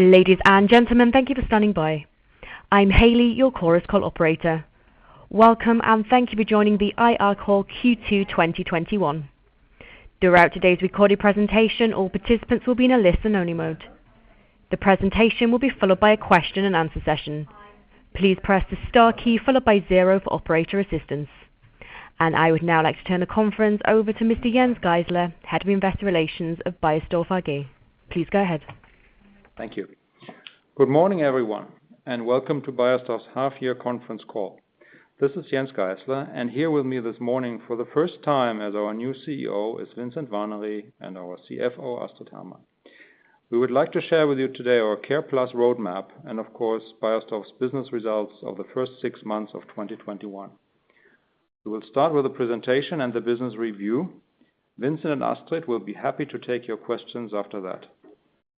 Ladies and gentlemen, thank you for standing by. I'm Hailey, your Chorus Call operator. Welcome, and thank you for joining the IR Call Q2 2021. Throughout today's recorded presentation, all participants will be in a listen-only mode. The presentation will be followed by a question-and-answer session. Please press the star key followed by zero for operator assistance. I would now like to turn the conference over to Mr. Jens Geissler, Head of Investor Relations of Beiersdorf AG. Please go ahead. Thank you. Good morning, everyone, and welcome to Beiersdorf's half-year conference call. This is Jens Geissler, and here with me this morning for the first time as our new CEO is Vincent Warnery and our CFO, Astrid Hermann. We would like to share with you today our C.A.R.E.+ roadmap and of course, Beiersdorf's business results of the first six months of 2021. We will start with a presentation and the business review. Vincent and Astrid will be happy to take your questions after that.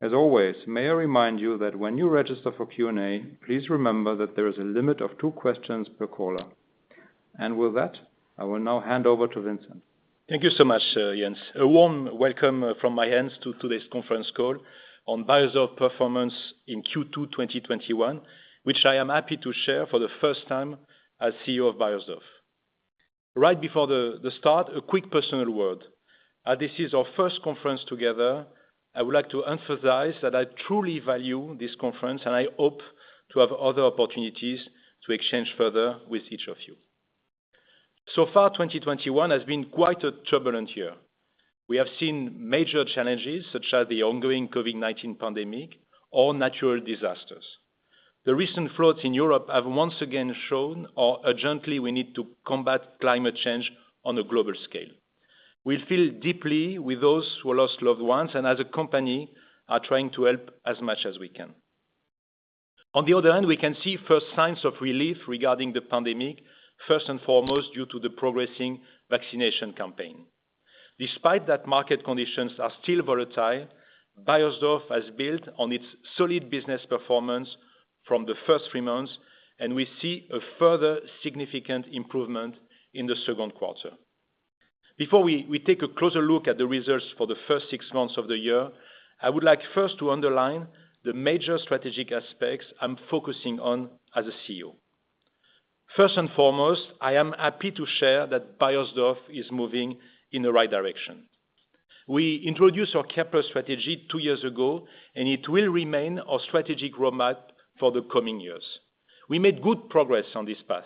As always, may I remind you that when you register for Q&A, please remember that there is a limit of two questions per caller. With that, I will now hand over to Vincent. Thank you so much, Jens. A warm welcome from my end to today's conference call on Beiersdorf performance in Q2 2021, which I am happy to share for the first time as CEO of Beiersdorf. Right before the start, a quick personal word. As this is our first conference together, I would like to emphasize that I truly value this conference, and I hope to have other opportunities to exchange further with each of you. So far, 2021 has been quite a turbulent year. We have seen major challenges such as the ongoing COVID-19 pandemic or natural disasters. The recent floods in Europe have once again shown how urgently we need to combat climate change on a global scale. We feel deeply with those who have lost loved ones, and as a company, are trying to help as much as we can. On the other hand, we can see first signs of relief regarding the pandemic, first and foremost, due to the progressing vaccination campaign. Despite that market conditions are still volatile, Beiersdorf has built on its solid business performance from the first three months, and we see a further significant improvement in the second quarter. Before we take a closer look at the results for the first six months of the year, I would like first to underline the major strategic aspects I'm focusing on as a CEO. First and foremost, I am happy to share that Beiersdorf is moving in the right direction. We introduced our C.A.R.E.+ strategy two years ago, and it will remain our strategic roadmap for the coming years. We made good progress on this path.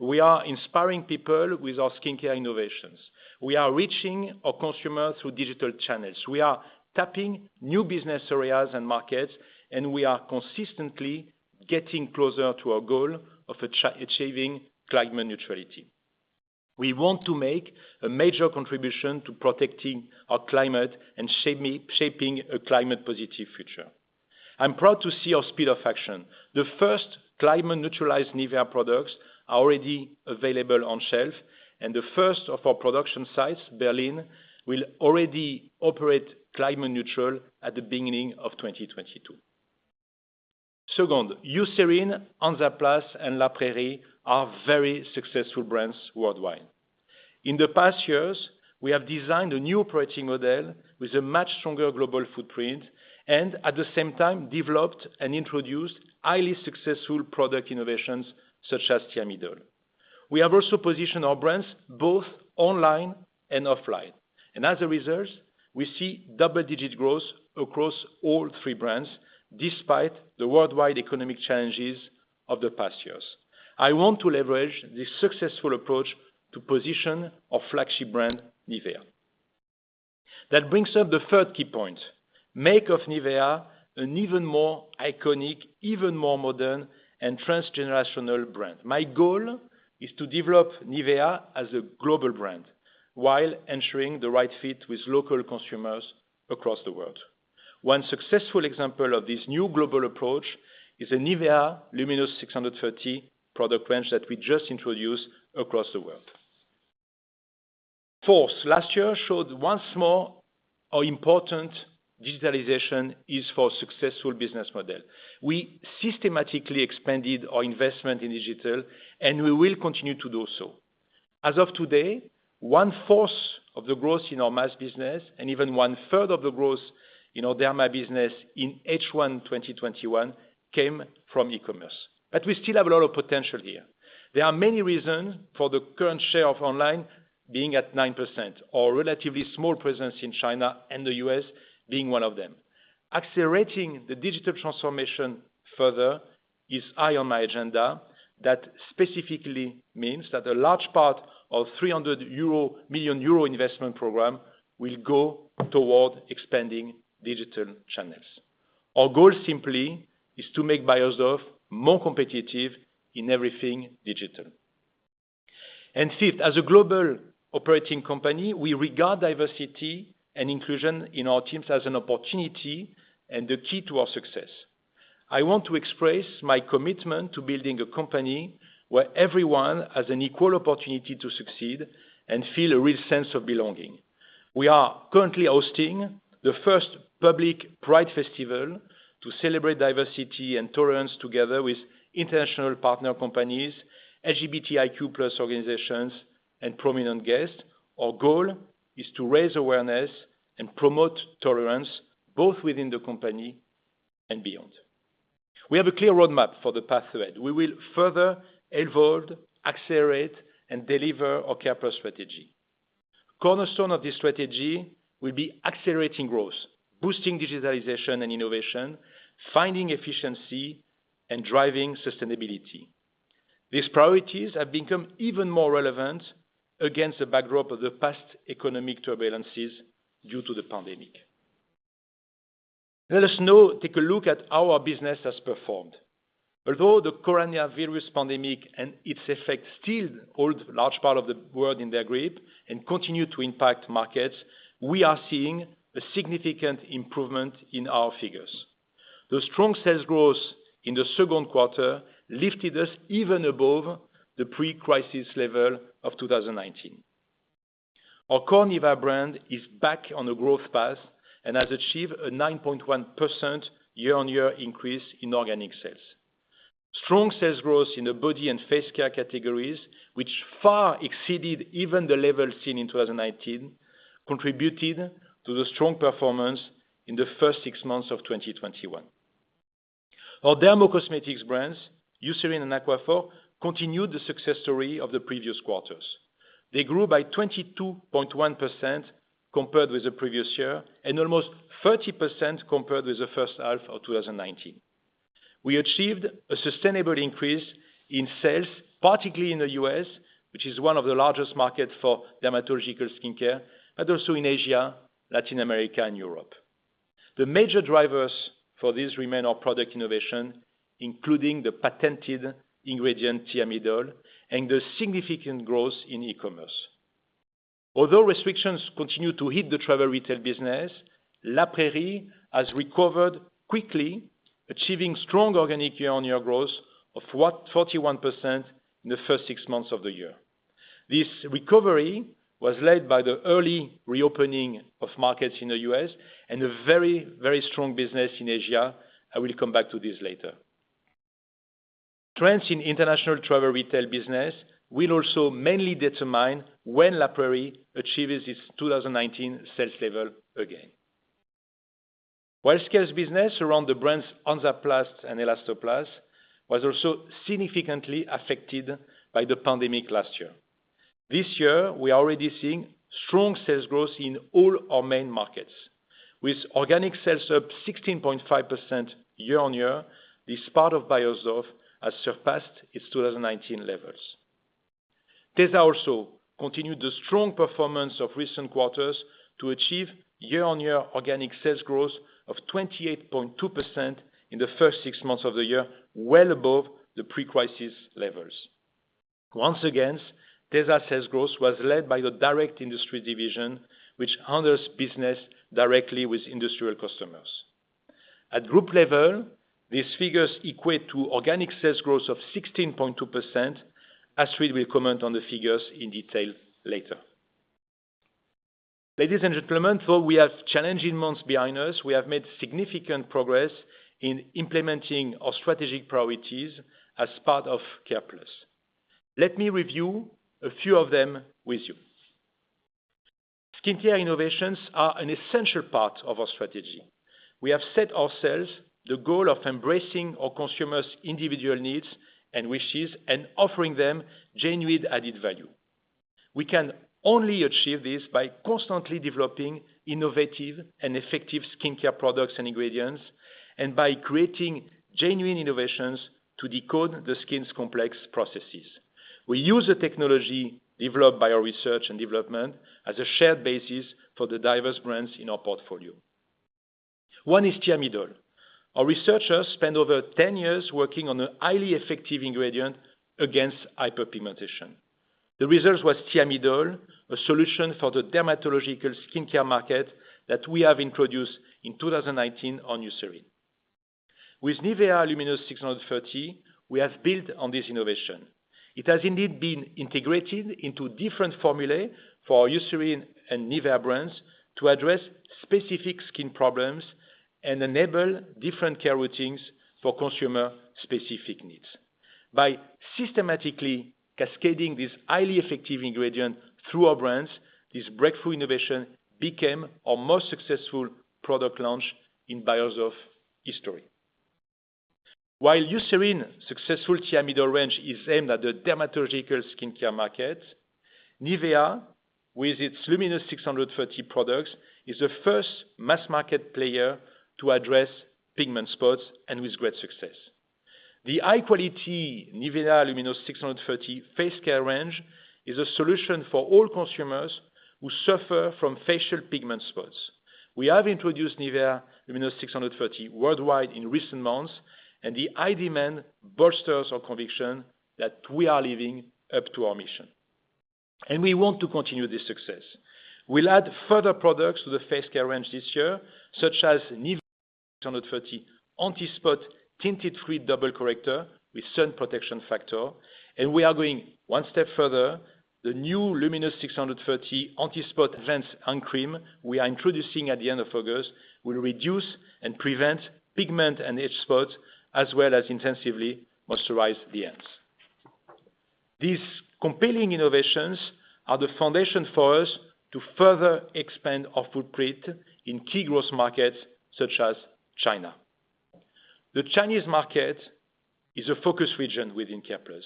We are inspiring people with our skincare innovations. We are reaching our consumers through digital channels. We are tapping new business areas and markets, and we are consistently getting closer to our goal of achieving climate neutrality. We want to make a major contribution to protecting our climate and shaping a climate-positive future. I'm proud to see our speed of action. The first climate-neutralized NIVEA products are already available on shelf, and the first of our production sites, Berlin, will already operate climate neutral at the beginning of 2022. Second, Eucerin, Hansaplast, and La Prairie are very successful brands worldwide. In the past years, we have designed a new operating model with a much stronger global footprint, and at the same time, developed and introduced highly successful product innovations such as Thiamidol. We have also positioned our brands both online and offline. As a result, we see double-digit growth across all three brands, despite the worldwide economic challenges of the past years. I want to leverage this successful approach to position our flagship brand, NIVEA. That brings up the third key point, make of NIVEA an even more iconic, even more modern, and transgenerational brand. My goal is to develop NIVEA as a global brand while ensuring the right fit with local consumers across the world. One successful example of this new global approach is the NIVEA Luminous630 product range that we just introduced across the world. Fourth, last year showed once more how important digitalization is for a successful business model. We systematically expanded our investment in digital, and we will continue to do so. As of today, 1/4 of the growth in our mass business and even 1/3 of the growth in our derma business in H1 2021 came from e-commerce. We still have a lot of potential here. There are many reasons for the current share of online being at 9%, our relatively small presence in China and the U.S. being one of them. Accelerating the digital transformation further is high on my agenda. That specifically means that a large part of 300 million euro investment program will go toward expanding digital channels. Our goal simply is to make Beiersdorf more competitive in everything digital. Fifth, as a global operating company, we regard diversity and inclusion in our teams as an opportunity and the key to our success. I want to express my commitment to building a company where everyone has an equal opportunity to succeed and feel a real sense of belonging. We are currently hosting the first public Pride festival to celebrate diversity and tolerance together with international partner companies, LGBTIQ+ organizations, and prominent guests. Our goal is to raise awareness and promote tolerance, both within the company and beyond. We have a clear roadmap for the path ahead. We will further evolve, accelerate, and deliver our C.A.R.E.+ strategy. Cornerstone of this strategy will be accelerating growth, boosting digitalization and innovation, finding efficiency, and driving sustainability. These priorities have become even more relevant against the backdrop of the past economic turbulences due to the pandemic. Let us now take a look at how our business has performed. Although the coronavirus pandemic and its effects still hold large part of the world in their grip and continue to impact markets, we are seeing a significant improvement in our figures. The strong sales growth in the second quarter lifted us even above the pre-crisis level of 2019. Our core NIVEA brand is back on the growth path and has achieved a 9.1% year-on-year increase in organic sales. Strong sales growth in the body and face care categories, which far exceeded even the level seen in 2019, contributed to the strong performance in the first six months of 2021. Our dermo-cosmetics brands, Eucerin and Aquaphor, continued the success story of the previous quarters. They grew by 22.1% compared with the previous year and almost 30% compared with the first half of 2019. We achieved a sustainable increase in sales, particularly in the US, which is one of the largest markets for dermatological skincare, but also in Asia, Latin America, and Europe. The major drivers for this remain our product innovation, including the patented ingredient Thiamidol and the significant growth in e-commerce. Although restrictions continue to hit the travel retail business, La Prairie has recovered quickly, achieving strong organic year-on-year growth of 41% in the first six months of the year. This recovery was led by the early reopening of markets in the U.S. and a very, very strong business in Asia. I will come back to this later. Trends in international travel retail business will also mainly determine when La Prairie achieves its 2019 sales level again. Beiersdorf's business around the brands Hansaplast and Elastoplast was also significantly affected by the pandemic last year. This year, we are already seeing strong sales growth in all our main markets. With organic sales up 16.5% year-on-year, this part of Beiersdorf has surpassed its 2019 levels. tesa also continued the strong performance of recent quarters to achieve year-on-year organic sales growth of 28.2% in the first six months of the year, well above the pre-crisis levels. Once again, tesa sales growth was led by the direct industry division, which handles business directly with industrial customers. At group level, these figures equate to organic sales growth of 16.2%. Astrid will comment on the figures in detail later. Ladies and gentlemen, though we have challenging months behind us, we have made significant progress in implementing our strategic priorities as part of C.A.R.E.+. Let me review a few of them with you. Skincare innovations are an essential part of our strategy. We have set ourselves the goal of embracing our consumers' individual needs and wishes and offering them genuine added value. We can only achieve this by constantly developing innovative and effective skincare products and ingredients, and by creating genuine innovations to decode the skin's complex processes. We use the technology developed by our research and development as a shared basis for the diverse brands in our portfolio. One is Thiamidol. Our researchers spent over 10 years working on an highly effective ingredient against hyperpigmentation. The result was Thiamidol, a solution for the dermatological skincare market that we have introduced in 2019 on Eucerin. With NIVEA Luminous630, we have built on this innovation. It has indeed been integrated into different formulae for our Eucerin and NIVEA brands to address specific skin problems and enable different care routines for consumer-specific needs. By systematically cascading this highly effective ingredient through our brands, this breakthrough innovation became our most successful product launch in Beiersdorf history. While Eucerin's successful Thiamidol range is aimed at the dermatological skincare market, NIVEA, with its Luminous630 products, is the first mass market player to address pigment spots, and with great success. The high-quality NIVEA Luminous630 face care range is a solution for all consumers who suffer from facial pigment spots. We have introduced NIVEA Luminous630 worldwide in recent months, and the high demand bolsters our conviction that we are living up to our mission, and we want to continue this success. We'll add further products to the face care range this year, such as NIVEA Cellular Luminous630 Anti Dark-Spot Tinted Cream Double Corrector with sun protection factor, and we are going one step further. The new Luminous630 Anti Dark-Spot Hand Cream we are introducing at the end of August will reduce and prevent pigment and age spots, as well as intensively moisturize the hands. These compelling innovations are the foundation for us to further expand our footprint in key growth markets such as China. The Chinese market is a focus region within C.A.R.E.+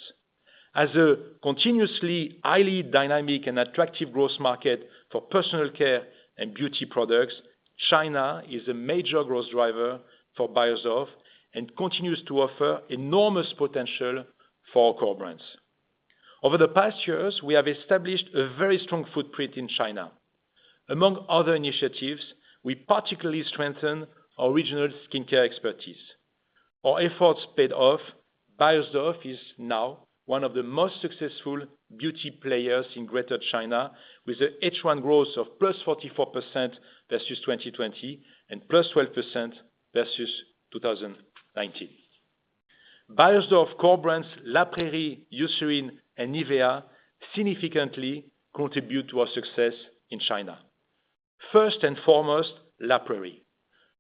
as a continuously highly dynamic and attractive growth market for personal care and beauty products. China is a major growth driver for Beiersdorf and continues to offer enormous potential for our core brands. Over the past years, we have established a very strong footprint in China. Among other initiatives, we particularly strengthened our regional skincare expertise. Our efforts paid off. Beiersdorf is now one of the most successful beauty players in Greater China, with an H1 growth of +44% versus 2020 and +12% versus 2019. Beiersdorf core brands, La Prairie, Eucerin, and NIVEA, significantly contribute to our success in China. First and foremost, La Prairie.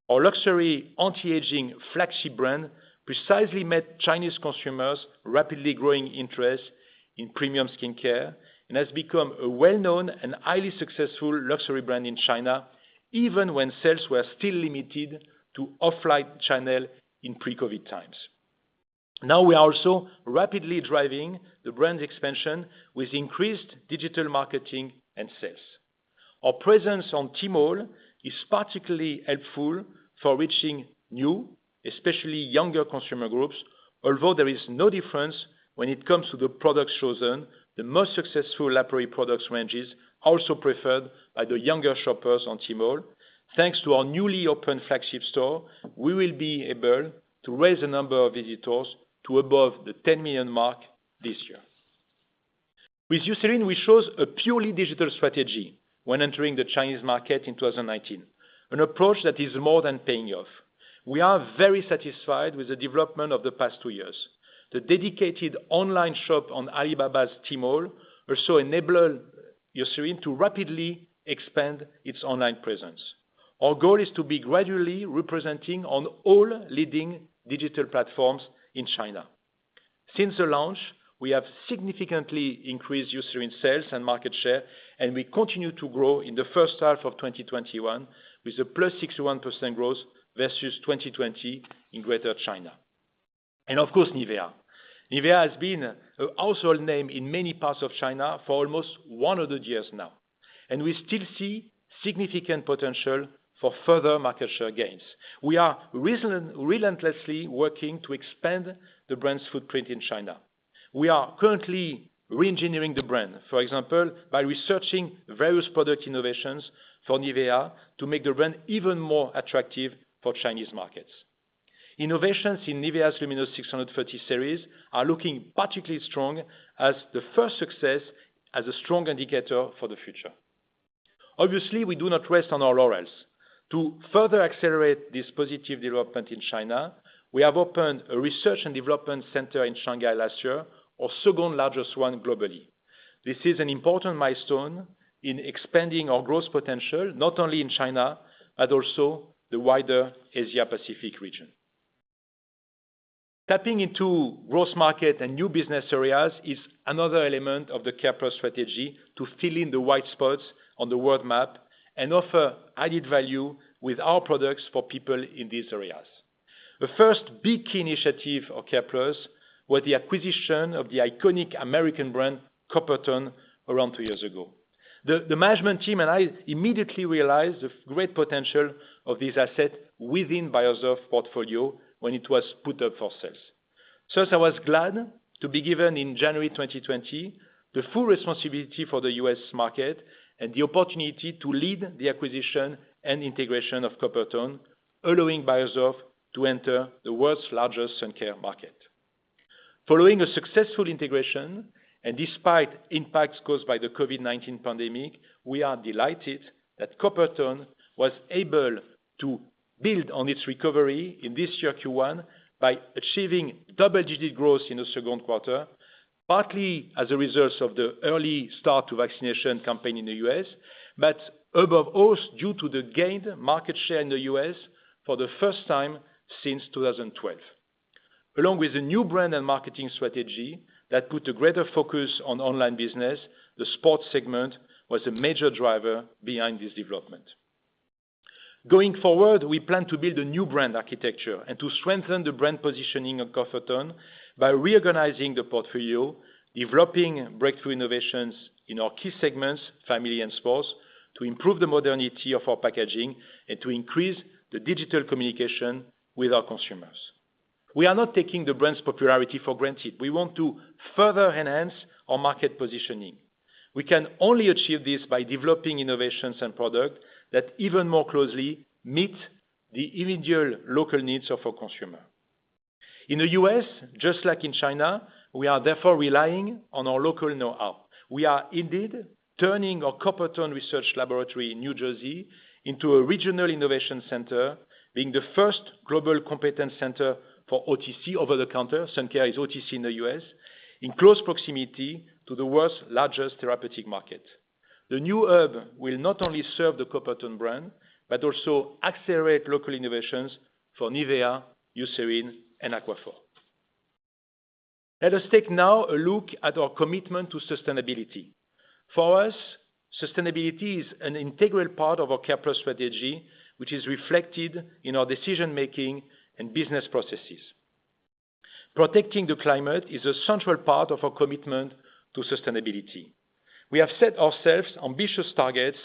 Our luxury anti-aging flagship brand precisely met Chinese consumers rapidly growing interest in premium skincare and has become a well-known and highly successful luxury brand in China, even when sales were still limited to offline channel in pre-COVID-19 times. Now we are also rapidly driving the brand expansion with increased digital marketing and sales. Our presence on Tmall is particularly helpful for reaching new, especially younger consumer groups. Although there is no difference when it comes to the products chosen, the most successful La Prairie products range is also preferred by the younger shoppers on Tmall. Thanks to our newly opened flagship store, we will be able to raise the number of visitors to above the 10 million mark this year. With Eucerin, we chose a purely digital strategy when entering the Chinese market in 2019, an approach that is more than paying off. We are very satisfied with the development of the past two years. The dedicated online shop on Alibaba's Tmall also enabled Eucerin to rapidly expand its online presence. Our goal is to be gradually representing on all leading digital platforms in China. Since the launch, we have significantly increased Eucerin sales and market share, and we continue to grow in the first half of 2021 with a +61% growth versus 2020 in Greater China. Of course, NIVEA. NIVEA has been a household name in many parts of China for almost 100 years now, and we still see significant potential for further market share gains. We are relentlessly working to expand the brand's footprint in China. We are currently re-engineering the brand, for example, by researching various product innovations for NIVEA to make the brand even more attractive for Chinese markets. Innovations in NIVEA's Luminous630 series are looking particularly strong as the first success as a strong indicator for the future. Obviously, we do not rest on our laurels. To further accelerate this positive development in China, we have opened a research and development center in Shanghai last year, our second largest one globally. This is an important milestone in expanding our growth potential, not only in China but also the wider Asia-Pacific region. Tapping into growth market and new business areas is another element of the C.A.R.E.+ strategy to fill in the white spots on the world map and offer added value with our products for people in these areas. The first big key initiative of C.A.R.E.+ was the acquisition of the iconic American brand, Coppertone, around two years ago. The management team and I immediately realized the great potential of this asset within Beiersdorf portfolio when it was put up for sale. I was glad to be given in January 2020, the full responsibility for the U.S. market and the opportunity to lead the acquisition and integration of Coppertone, allowing Beiersdorf to enter the world's largest sun care market. Following a successful integration and despite impacts caused by the COVID-19 pandemic, we are delighted that Coppertone was able to build on its recovery in this year Q1 by achieving double-digit growth in the second quarter, partly as a result of the early start to vaccination campaign in the U.S., but above all, due to the gained market share in the U.S. for the first time since 2012. Along with the new brand and marketing strategy that put a greater focus on online business, the sports segment was a major driver behind this development. Going forward, we plan to build a new brand architecture and to strengthen the brand positioning of Coppertone by reorganizing the portfolio, developing breakthrough innovations in our key segments, family and sports, to improve the modernity of our packaging, and to increase the digital communication with our consumers. We are not taking the brand's popularity for granted. We want to further enhance our market positioning. We can only achieve this by developing innovations and product that even more closely meet the individual local needs of our consumer. In the U.S., just like in China, we are therefore relying on our local know-how. We are indeed turning our Coppertone research laboratory in New Jersey into a regional innovation center, being the first global competence center for OTC, over-the-counter, sun care is OTC in the U.S., in close proximity to the world's largest therapeutic market. The new hub will not only serve the Coppertone brand, but also accelerate local innovations for NIVEA, Eucerin, and Aquaphor. Let us take now a look at our commitment to sustainability. For us, sustainability is an integral part of our C.A.R.E.+ strategy, which is reflected in our decision-making and business processes. Protecting the climate is a central part of our commitment to sustainability. We have set ourselves ambitious targets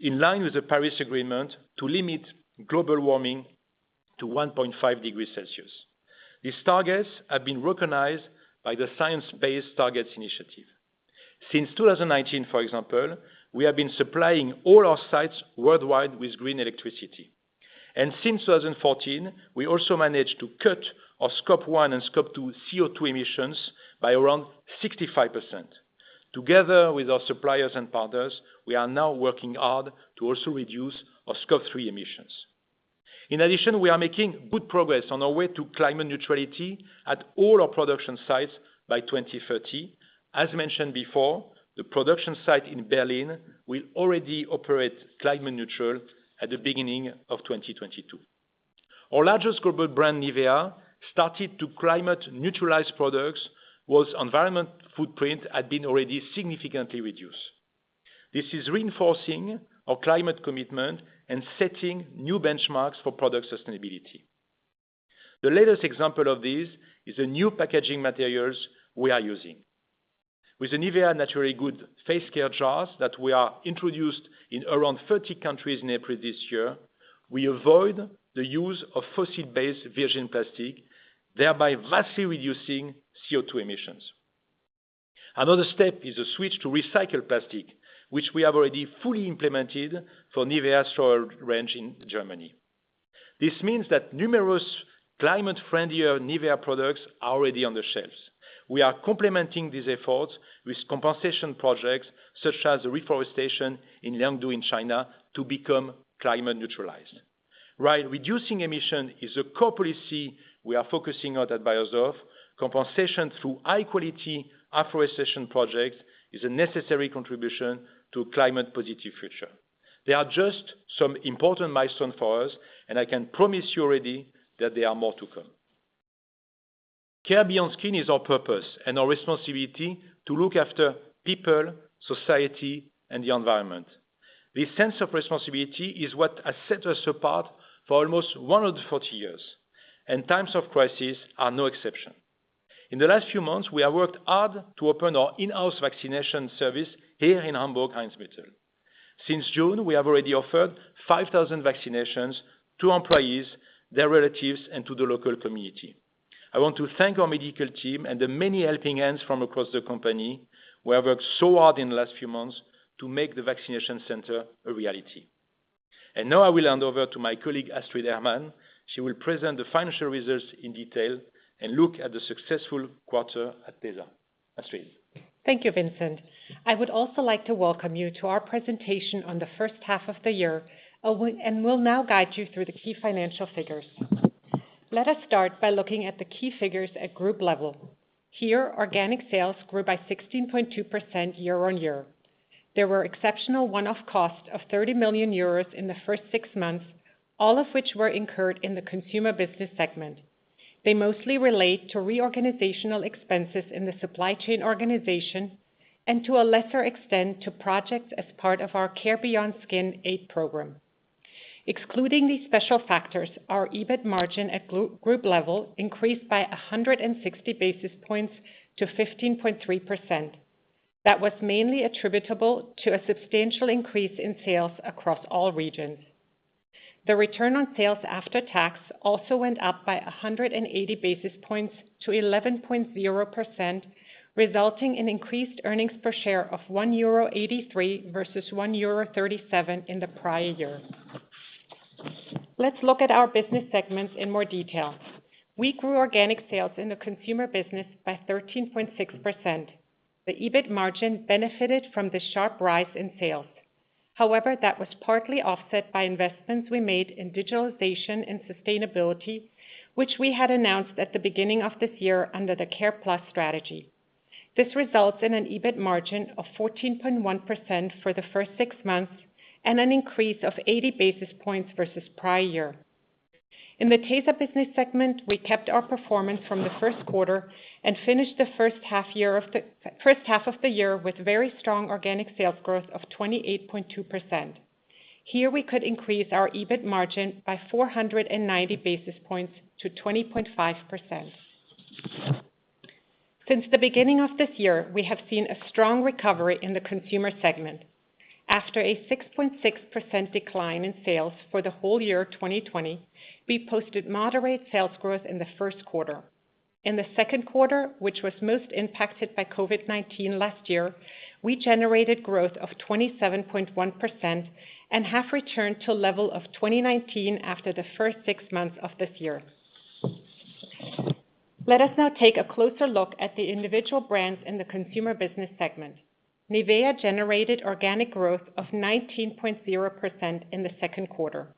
in line with the Paris Agreement to limit global warming to 1.5 degrees Celsius. These targets have been recognized by the Science Based Targets initiative. Since 2019, for example, we have been supplying all our sites worldwide with green electricity. Since 2014, we also managed to cut our Scope 1 and Scope 2 CO2 emissions by around 65%. Together with our suppliers and partners, we are now working hard to also reduce our Scope 3 emissions. In addition, we are making good progress on our way to climate neutrality at all our production sites by 2030. As mentioned before, the production site in Berlin will already operate climate neutral at the beginning of 2022. Our largest global brand, NIVEA, started to climate neutralize products whose environment footprint had been already significantly reduced. This is reinforcing our climate commitment and setting new benchmarks for product sustainability. The latest example of this is the new packaging materials we are using. With the NIVEA Naturally Good face care jars that we are introduced in around 30 countries in April this year, we avoid the use of fossil-based virgin plastic, thereby vastly reducing CO2 emissions. Another step is a switch to recycled plastic, which we have already fully implemented for NIVEA Sun range in Germany. This means that numerous climate-friendlier NIVEA products are already on the shelves. We are complementing these efforts with compensation projects, such as reforestation in Liangdo in China, to become climate neutralized. While reducing emission is a core policy we are focusing on at Beiersdorf, compensation through high quality afforestation projects is a necessary contribution to a climate positive future. They are just some important milestone for us, and I can promise you already that there are more to come. Care Beyond Skin is our purpose and our responsibility to look after people, society, and the environment. This sense of responsibility is what has set us apart for almost 140 years, and times of crisis are no exception. In the last few months, we have worked hard to open our in-house vaccination service here in Hamburg, Eimsbüttel. Since June, we have already offered 5,000 vaccinations to employees, their relatives, and to the local community. I want to thank our medical team and the many helping hands from across the company, who have worked so hard in the last few months to make the vaccination center a reality. Now I will hand over to my colleague, Astrid Hermann. She will present the financial results in detail and look at the successful quarter at tesa. Astrid. Thank you, Vincent. I would also like to welcome you to our presentation on the first half of the year and will now guide you through the key financial figures. Let us start by looking at the key figures at group level. Here, organic sales grew by 16.2% year on year. There were exceptional one-off costs of 30 million euros in the first six months, all of which were incurred in the consumer business segment. They mostly relate to reorganizational expenses in the supply chain organization, and to a lesser extent, to projects as part of our Care beyond Skin aid program. Excluding these special factors, our EBIT margin at group level increased by 160 basis points to 15.3%. That was mainly attributable to a substantial increase in sales across all regions. The return on sales after tax also went up by 180 basis points to 11.0%, resulting in increased earnings per share of 1.83 euro versus 1.37 euro in the prior year. Let's look at our business segments in more detail. We grew organic sales in the consumer business by 13.6%. The EBIT margin benefited from the sharp rise in sales. However, that was partly offset by investments we made in digitalization and sustainability, which we had announced at the beginning of this year under the C.A.R.E.+ strategy. This results in an EBIT margin of 14.1% for the first six months and an increase of 80 basis points versus prior year. In the tesa business segment, we kept our performance from the first quarter and finished the first half of the year with very strong organic sales growth of 28.2%. Here we could increase our EBIT margin by 490 basis points to 20.5%. Since the beginning of this year, we have seen a strong recovery in the consumer segment. After a 6.6% decline in sales for the whole year 2020, we posted moderate sales growth in the first quarter. In the second quarter, which was most impacted by COVID-19 last year, we generated growth of 27.1% and have returned to level of 2019 after the first six months of this year. Let us now take a closer look at the individual brands in the consumer business segment. NIVEA generated organic growth of 19.0% in the second quarter.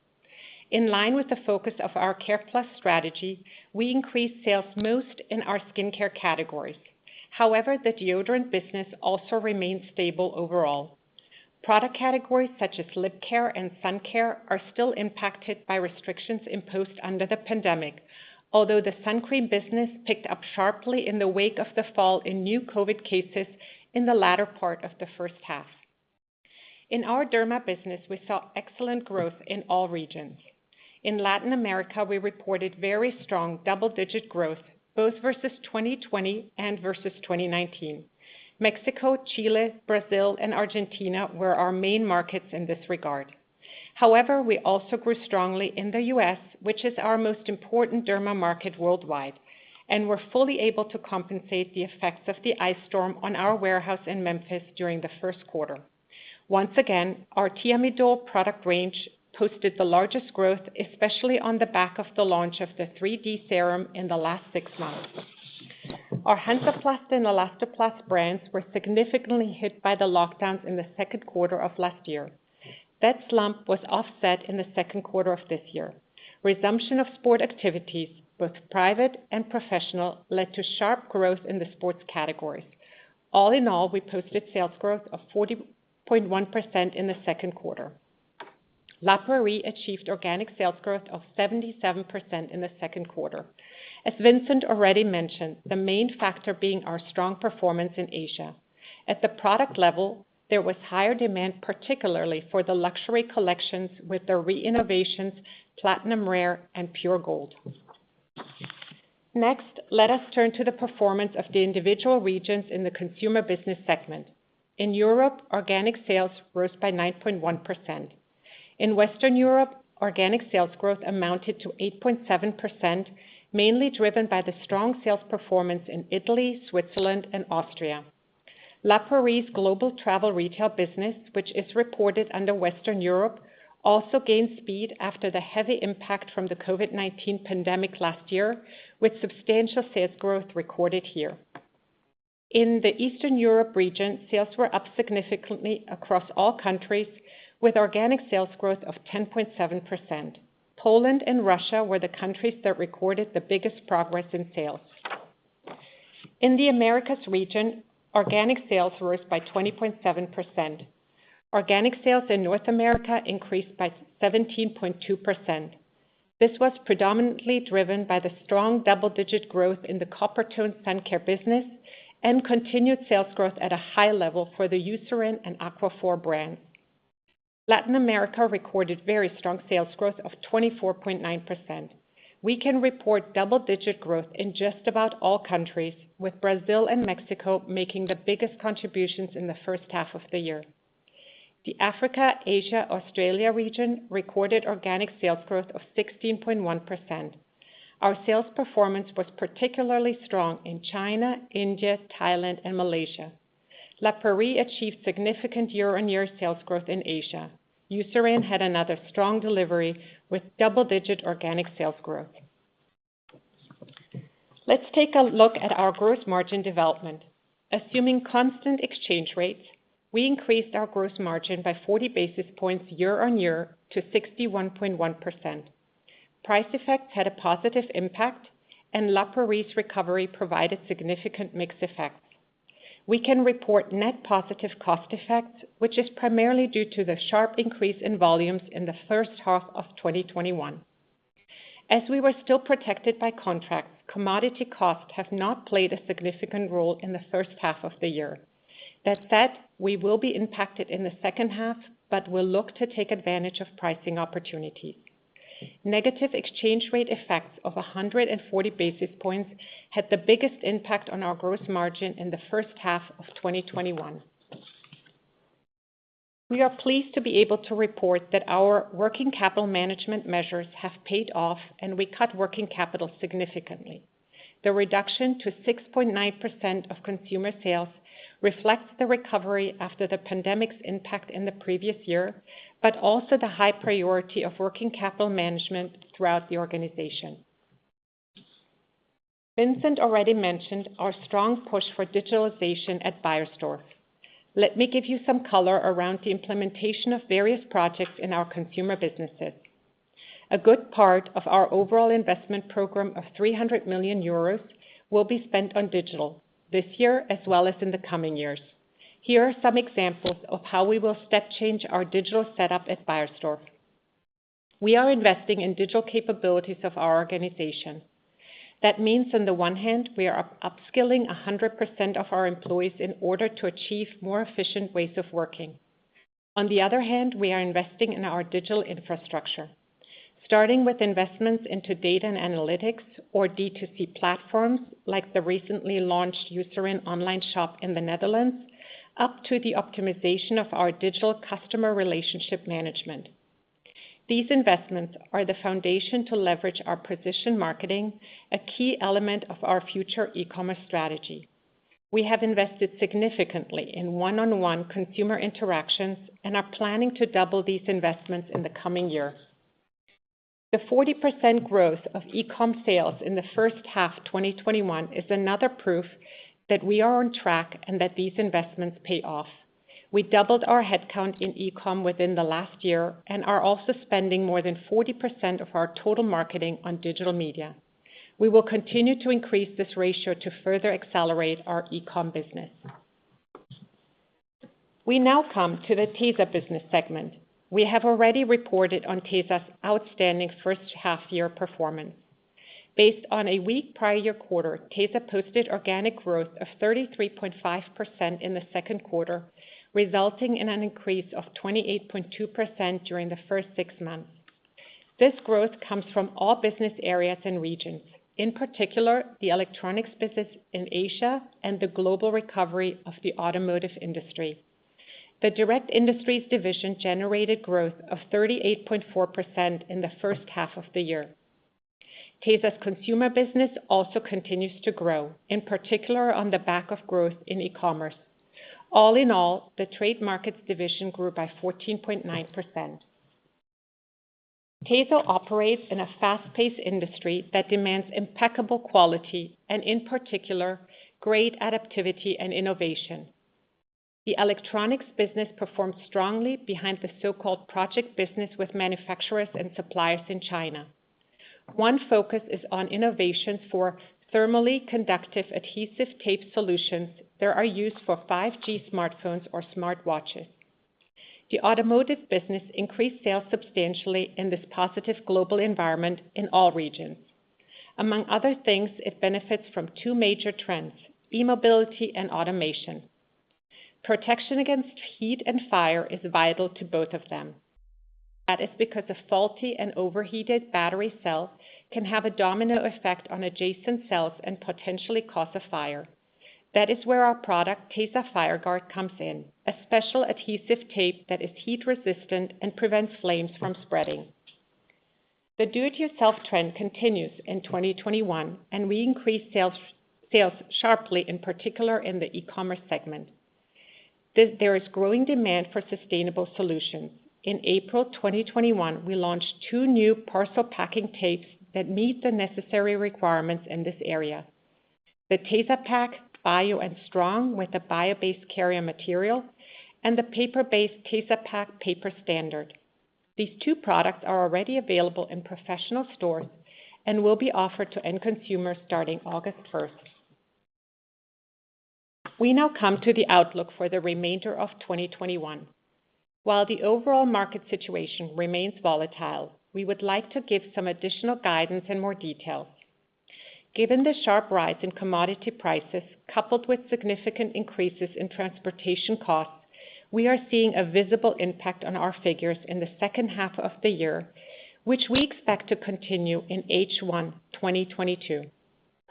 In line with the focus of our C.A.R.E.+ strategy, we increased sales most in our skincare categories. However, the deodorant business also remains stable overall. Product categories such as lip care and sun care are still impacted by restrictions imposed under the pandemic, although the sun cream business picked up sharply in the wake of the fall in new COVID cases in the latter part of the first half. In our derma business, we saw excellent growth in all regions. In Latin America, we reported very strong double-digit growth, both versus 2020 and versus 2019. Mexico, Chile, Brazil, and Argentina were our main markets in this regard. However, we also grew strongly in the U.S., which is our most important derma market worldwide, and we're fully able to compensate the effects of the ice storm on our warehouse in Memphis during the first quarter. Once again, our Thiamidol product range posted the largest growth, especially on the back of the launch of the 3D serum in the last six months. Our Hansaplast and Elastoplast brands were significantly hit by the lockdowns in the second quarter of last year. That slump was offset in the second quarter of this year. Resumption of sport activities, both private and professional, led to sharp growth in the sports categories. All in all, we posted sales growth of 40.1% in the second quarter. La Prairie achieved organic sales growth of 77% in the second quarter. As Vincent already mentioned, the main factor being our strong performance in Asia. At the product level, there was higher demand, particularly for the luxury collections with their re-innovations, Platinum Rare and Pure Gold. Let us turn to the performance of the individual regions in the consumer business segment. In Europe, organic sales rose by 9.1%. In Western Europe, organic sales growth amounted to 8.7%, mainly driven by the strong sales performance in Italy, Switzerland, and Austria. La Prairie's global travel retail business, which is reported under Western Europe, also gained speed after the heavy impact from the COVID-19 pandemic last year, with substantial sales growth recorded here. In the Eastern Europe region, sales were up significantly across all countries, with organic sales growth of 10.7%. Poland and Russia were the countries that recorded the biggest progress in sales. In the Americas region, organic sales rose by 20.7%. Organic sales in North America increased by 17.2%. This was predominantly driven by the strong double-digit growth in the Coppertone sun care business and continued sales growth at a high level for the Eucerin and Aquaphor brands. Latin America recorded very strong sales growth of 24.9%. We can report double-digit growth in just about all countries, with Brazil and Mexico making the biggest contributions in the first half of the year. The Africa, Asia, Australia region recorded organic sales growth of 16.1%. Our sales performance was particularly strong in China, India, Thailand, and Malaysia. La Prairie achieved significant year-on-year sales growth in Asia. Eucerin had another strong delivery with double-digit organic sales growth. Let's take a look at our gross margin development. Assuming constant exchange rates, we increased our gross margin by 40 basis points year-on-year to 61.1%. Price effects had a positive impact, and La Prairie's recovery provided significant mix effects. We can report net positive cost effects, which is primarily due to the sharp increase in volumes in the first half of 2021. As we were still protected by contracts, commodity costs have not played a significant role in the first half of the year. That said, we will be impacted in the second half, but will look to take advantage of pricing opportunities. Negative exchange rate effects of 140 basis points had the biggest impact on our gross margin in the first half of 2021. We are pleased to be able to report that our working capital management measures have paid off, and we cut working capital significantly. The reduction to 6.9% of consumer sales reflects the recovery after the pandemic's impact in the previous year, but also the high priority of working capital management throughout the organization. Vincent already mentioned our strong push for digitalization at Beiersdorf. Let me give you some color around the implementation of various projects in our consumer businesses. A good part of our overall investment program of 300 million euros will be spent on digital this year as well as in the coming years. Here are some examples of how we will step change our digital setup at Beiersdorf. We are investing in digital capabilities of our organization. That means on the one hand, we are upskilling 100% of our employees in order to achieve more efficient ways of working. We are investing in our digital infrastructure. Starting with investments into data and analytics or D2C platforms like the recently launched Eucerin online shop in the Netherlands, up to the optimization of our digital customer relationship management. These investments are the foundation to leverage our precision marketing, a key element of our future e-commerce strategy. We have invested significantly in one-on-one consumer interactions and are planning to double these investments in the coming year. The 40% growth of e-com sales in the first half 2021 is another proof that we are on track and that these investments pay off. We doubled our headcount in e-com within the last year and are also spending more than 40% of our total marketing on digital media. We will continue to increase this ratio to further accelerate our e-com business. We now come to the tesa business segment. We have already reported on tesa's outstanding first half-year performance. Based on a weak prior quarter, tesa posted organic growth of 33.5% in the second quarter, resulting in an increase of 28.2% during the first six months. This growth comes from all business areas and regions, in particular, the electronics business in Asia and the global recovery of the automotive industry. The direct industries division generated growth of 38.4% in the first half of the year. tesa's consumer business also continues to grow, in particular, on the back of growth in e-commerce. All in all, the trade markets division grew by 14.9%. tesa operates in a fast-paced industry that demands impeccable quality and, in particular, great adaptivity and innovation. The electronics business performed strongly behind the so-called project business with manufacturers and suppliers in China. One focus is on innovations for thermally conductive adhesive tape solutions that are used for 5G smartphones or smartwatches. The automotive business increased sales substantially in this positive global environment in all regions. Among other things, it benefits from two major trends, e-mobility and automation. Protection against heat and fire is vital to both of them. That is because a faulty and overheated battery cell can have a domino effect on adjacent cells and potentially cause a fire. That is where our product, tesa FireGuard, comes in. A special adhesive tape that is heat-resistant and prevents flames from spreading. The do-it-yourself trend continues in 2021, and we increased sales sharply, in particular in the e-commerce segment. There is growing demand for sustainable solutions. In April 2021, we launched two new parcel packing tapes that meet the necessary requirements in this area. The tesapack Bio & Strong with a bio-based carrier material and the paper-based tesapack Paper Standard. These two products are already available in professional stores and will be offered to end consumers starting August 1st. We now come to the outlook for the remainder of 2021. While the overall market situation remains volatile, we would like to give some additional guidance and more details. Given the sharp rise in commodity prices, coupled with significant increases in transportation costs, we are seeing a visible impact on our figures in the second half of the year, which we expect to continue in H1 2022.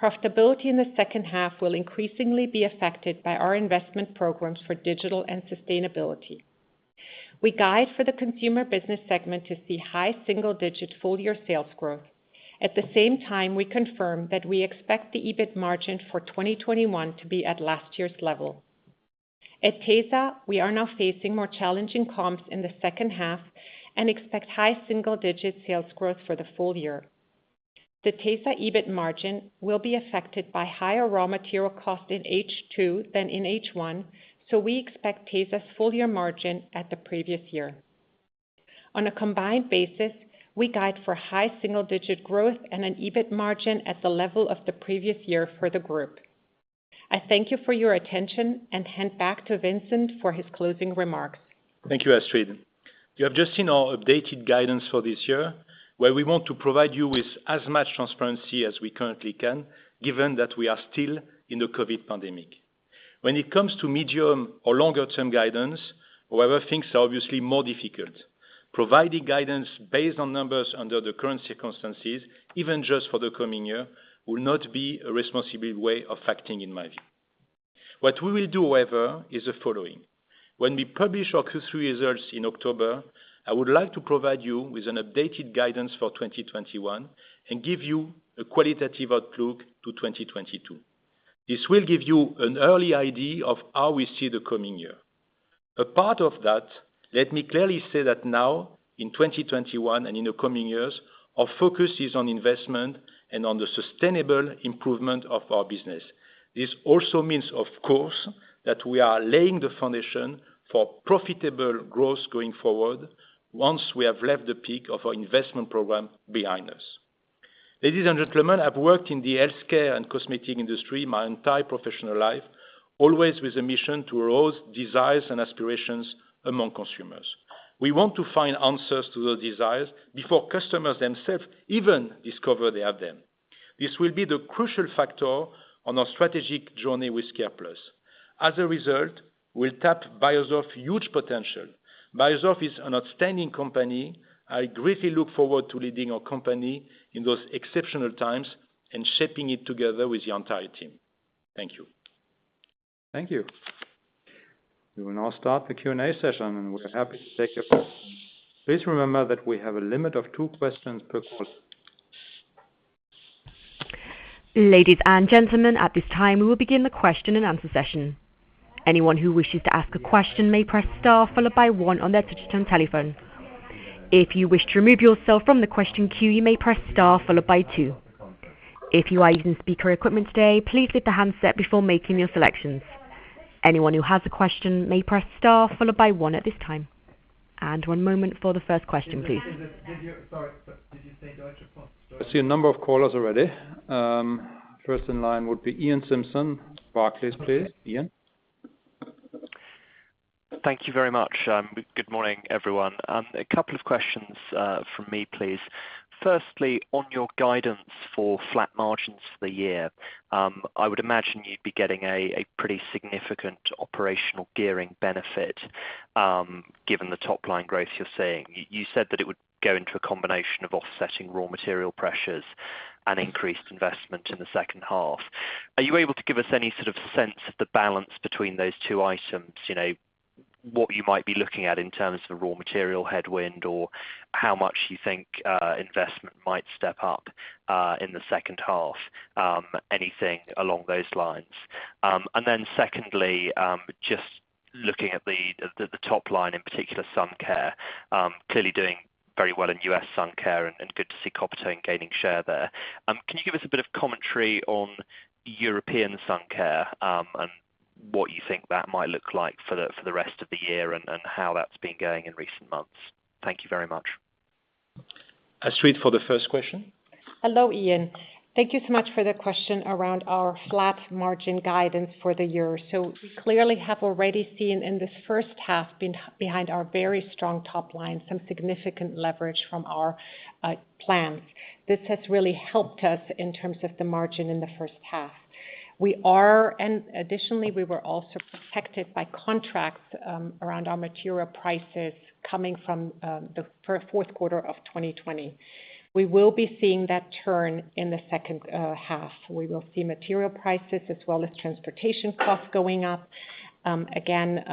Profitability in the second half will increasingly be affected by our investment programs for digital and sustainability. We guide for the consumer business segment to see high single-digit full-year sales growth. At the same time, we confirm that we expect the EBIT margin for 2021 to be at last year's level. At tesa, we are now facing more challenging comps in the second half and expect high single-digit sales growth for the full year. The tesa EBIT margin will be affected by higher raw material costs in H2 than in H1, so we expect tesa's full-year margin at the previous year. On a combined basis, we guide for high single-digit growth and an EBIT margin at the level of the previous year for the group. I thank you for your attention and hand back to Vincent for his closing remarks. Thank you, Astrid. You have just seen our updated guidance for this year, where we want to provide you with as much transparency as we currently can, given that we are still in the COVID-19 pandemic. When it comes to medium or longer-term guidance, however, things are obviously more difficult. Providing guidance based on numbers under the current circumstances, even just for the coming year, will not be a responsible way of acting in my view. What we will do, however, is the following. When we publish our Q3 results in October, I would like to provide you with an updated guidance for 2021 and give you a qualitative outlook to 2022. This will give you an early idea of how we see the coming year. Apart of that, let me clearly say that now, in 2021 and in the coming years, our focus is on investment and on the sustainable improvement of our business. This also means, of course, that we are laying the foundation for profitable growth going forward once we have left the peak of our investment program behind us. Ladies and gentlemen, I've worked in the healthcare and cosmetic industry my entire professional life, always with a mission to arouse desires and aspirations among consumers. We want to find answers to those desires before customers themselves even discover they have them. This will be the crucial factor on our strategic journey with C.A.R.E.+. As a result, we'll tap Beiersdorf's huge potential. Beiersdorf is an outstanding company. I greatly look forward to leading our company in those exceptional times and shaping it together with the entire team. Thank you. Thank you. We will now start the Q&A session, and we're happy to take your calls. Please remember that we have a limit of two questions per call. Ladies and gentlemen, at this time, we will begin the question and answer session. Anyone who wishes to ask a question may press star followed by one on their touch-tone telephone. If you wish to remove yourself from the question queue, you may press star followed by two. If you are using speaker equipment today, please lift the handset before making your selections. Anyone who has a question may press star followed by one at this time. And one moment for the first question, please. Sorry, did you say Deutsche Bank? I see a number of callers already. First in line would be Iain Simpson, Barclays, please. Iain? Thank you very much. Good morning, everyone. A couple of questions from me, please. Firstly, on your guidance for flat margins for the year, I would imagine you'd be getting a pretty significant operational gearing benefit, given the top-line growth you're seeing. You said that it would go into a combination of offsetting raw material pressures and increased investment in the second half. Are you able to give us any sort of sense of the balance between those two items? What you might be looking at in terms of raw material headwind, or how much you think investment might step up in the second half? Anything along those lines. Then secondly, just looking at the top line, in particular, sun care. Clearly doing very well in U.S. sun care and good to see Coppertone gaining share there. Can you give us a bit of commentary on European sun care? What you think that might look like for the rest of the year and how that's been going in recent months? Thank you very much. Astrid for the first question. Hello, Iain. Thank you so much for the question around our flat margin guidance for the year. We clearly have already seen in this first half behind our very strong top line some significant leverage from our plans. This has really helped us in terms of the margin in the first half. Additionally, we were also protected by contracts around our material prices coming from the fourth quarter of 2020. We will be seeing that turn in the second half. We will see material prices as well as transportation costs going up. Again,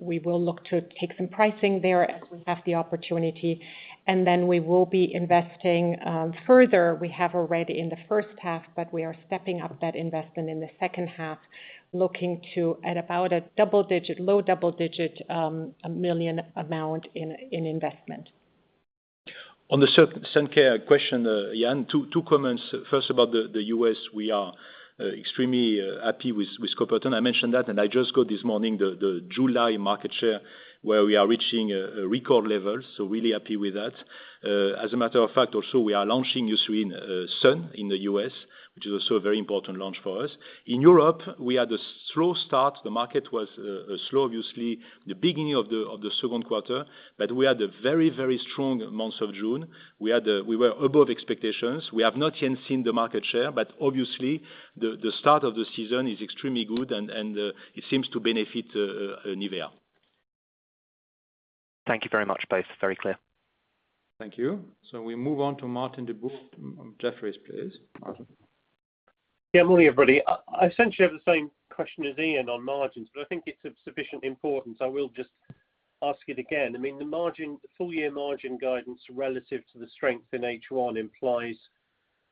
we will look to take some pricing there as we have the opportunity, and then we will be investing further. We have already in the first half, but we are stepping up that investment in the second half, looking to at about a EUR low double-digit million amount in investment. On the sun care question, Iain, two comments. First about the U.S., we are extremely happy with Coppertone. I mentioned that, and I just got this morning the July market share where we are reaching record levels, so really happy with that. As a matter of fact, also, we are launching Eucerin Sun in the U.S., which is also a very important launch for us. In Europe, we had a slow start. The market was slow, obviously, the beginning of the second quarter, but we had a very strong month of June. We were above expectations. We have not yet seen the market share, but obviously, the start of the season is extremely good and it seems to benefit NIVEA. Thank you very much, both. Very clear. Thank you. We move on to Martin Deboo from Jefferies, please. Martin. Good morning, everybody. I essentially have the same question as Iain on margins, but I think it's of sufficient importance, I will just ask it again. The full-year margin guidance relative to the strength in H1 implies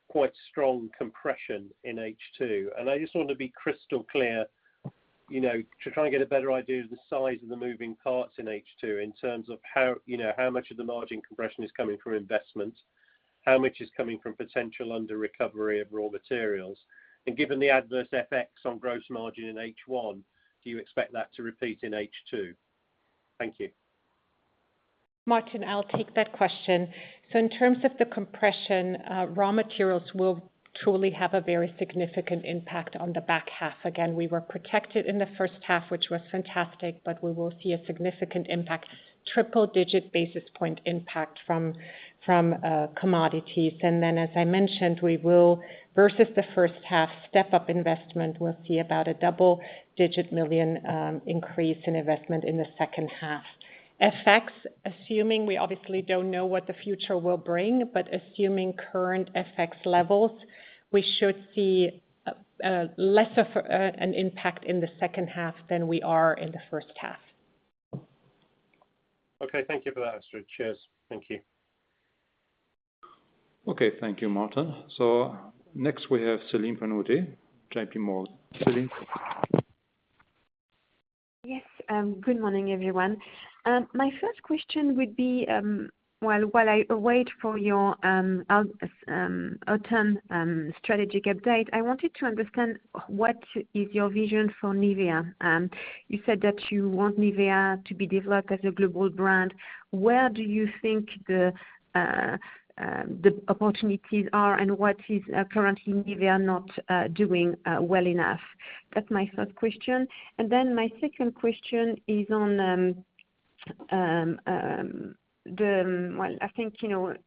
quite strong compression in H2. I just want to be crystal clear, to try and get a better idea of the size of the moving parts in H2 in terms of how much of the margin compression is coming from investments, how much is coming from potential under recovery of raw materials. Given the adverse FX on gross margin in H1, do you expect that to repeat in H2? Thank you. Martin, I'll take that question. In terms of the compression, raw materials will truly have a very significant impact on the back half. Again, we were protected in the first half, which was fantastic, but we will see a significant impact, triple-digit basis point impact from commodities. As I mentioned, we will versus the first half step-up investment, we'll see about a double-digit million increase in investment in the second half. FX, we obviously don't know what the future will bring, but assuming current FX levels, we should see lesser an impact in the second half than we are in the first half. Okay, thank you for that, Astrid. Cheers. Thank you. Okay. Thank you, Martin. Next we have Celine Pannuti, JPMorgan. Celine? Yes. Good morning, everyone. My first question would be while I wait for your autumn strategic update, I wanted to understand what is your vision for NIVEA. You said that you want NIVEA to be developed as a global brand. Where do you think the opportunities are, what is currently NIVEA not doing well enough? That's my first question. My second question is on the, well, I think, gross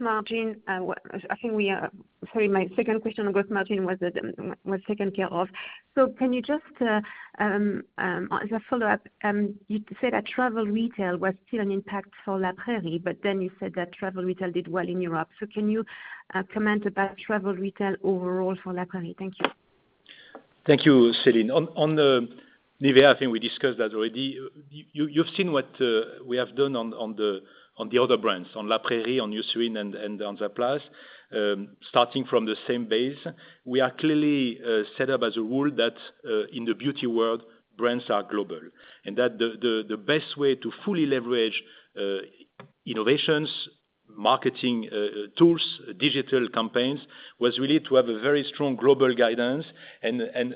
margin. Sorry, my second question on gross margin was taken care of. Can you just, as a follow-up, you said that travel retail was still an impact for La Prairie, but then you said that travel retail did well in Europe. Can you comment about travel retail overall for La Prairie? Thank you. Thank you, Celine. On the NIVEA, I think we discussed that already. You've seen what we have done on the other brands, on La Prairie, on Eucerin, and on Hansaplast. Starting from the same base, we are clearly set up as a rule that in the beauty world, brands are global, and that the best way to fully leverage innovations, marketing tools, digital campaigns, was really to have a very strong global guidance and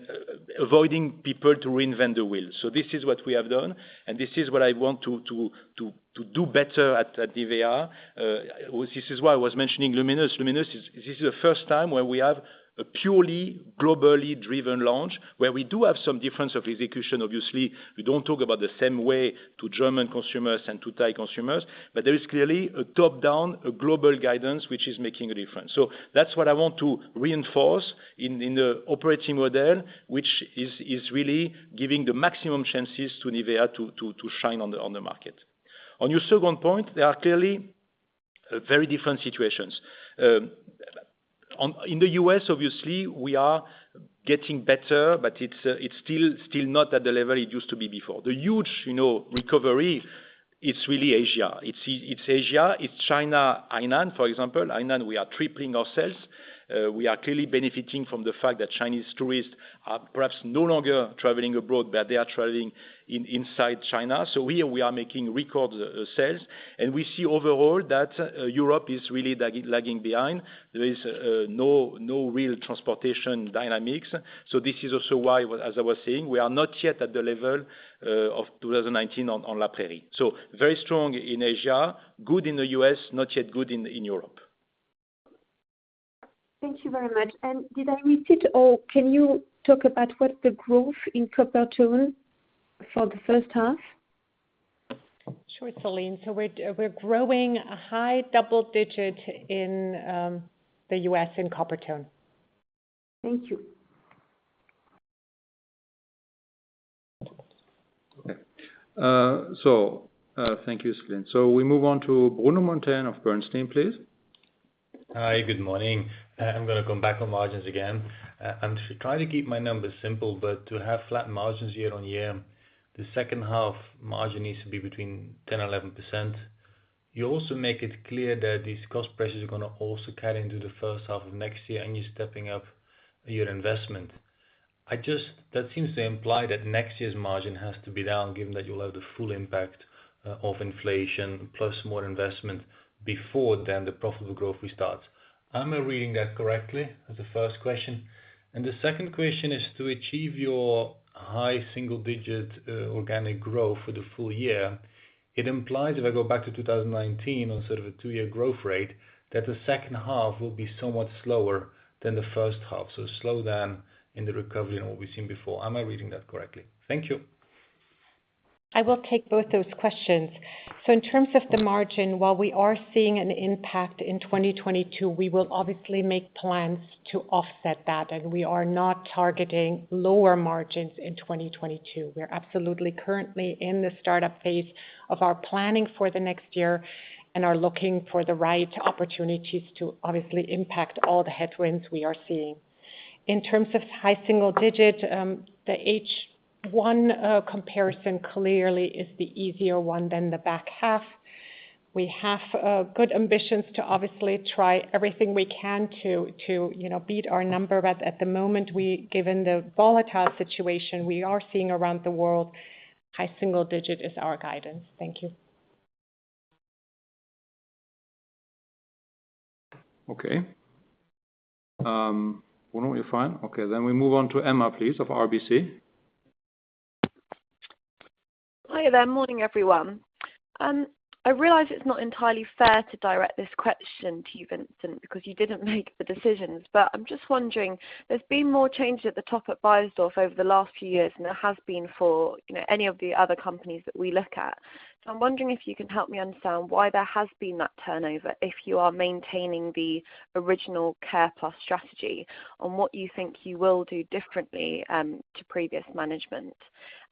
avoiding people to reinvent the wheel. This is what we have done, and this is what I want to do better at NIVEA. This is why I was mentioning Luminous. Luminous, this is the first time where we have a purely globally driven launch, where we do have some difference of execution obviously, we don't talk about the same way to German consumers and to Thai consumers. There is clearly a top-down, a global guidance, which is making a difference. That's what I want to reinforce in the operating model, which is really giving the maximum chances to NIVEA to shine on the market. On your second point, they are clearly very different situations. In the U.S., obviously, we are getting better, but it's still not at the level it used to be before. The huge recovery, it's really Asia. It's Asia, it's China, Hainan, for example. Hainan, we are tripling our sales. We are clearly benefiting from the fact that Chinese tourists are perhaps no longer traveling abroad, but they are traveling inside China. Here, we are making record sales, and we see overall that Europe is really lagging behind. There is no real transportation dynamics. This is also why, as I was saying, we are not yet at the level of 2019 on La Prairie. Very strong in Asia, good in the U.S., not yet good in Europe. Thank you very much. Did I miss it or can you talk about what the growth in Coppertone for the first half? Sure, Celine. We're growing a high double digit in the U.S. in Coppertone. Thank you. Okay. Thank you, Celine. We move on to Bruno Monteyne of Bernstein, please. Hi, good morning. I'm going to come back on margins again. I'm trying to keep my numbers simple, but to have flat margins year-over-year, the second half margin needs to be between 10%-11%. You also make it clear that these cost pressures are going to also cut into the first half of next year, and you're stepping up your investment. That seems to imply that next year's margin has to be down, given that you'll have the full impact of inflation plus more investment before then the profitable growth restarts. Am I reading that correctly, as a first question? The second question is to achieve your high single-digit organic growth for the full year, it implies, if I go back to 2019 on sort of a two-year growth rate, that the second half will be somewhat slower than the first half. A slowdown in the recovery and what we've seen before. Am I reading that correctly? Thank you. I will take both those questions. In terms of the margin, while we are seeing an impact in 2022, we will obviously make plans to offset that, and we are not targeting lower margins in 2022. We're absolutely currently in the startup phase of our planning for the next year and are looking for the right opportunities to obviously impact all the headwinds we are seeing. In terms of high single digit, the H1 comparison clearly is the easier one than the back half. We have good ambitions to obviously try everything we can to beat our number, but at the moment, given the volatile situation we are seeing around the world, high single digit is our guidance. Thank you. Okay. Bruno, you're fine? Okay, we move on to Emma, please, of RBC. Hi there. Morning, everyone. I realize it's not entirely fair to direct this question to you, Vincent, because you didn't make the decisions. I'm just wondering, there's been more changes at the top at Beiersdorf over the last few years than there has been for any of the other companies that we look at. I'm wondering if you can help me understand why there has been that turnover, if you are maintaining the original C.A.R.E.+ strategy on what you think you will do differently to previous management.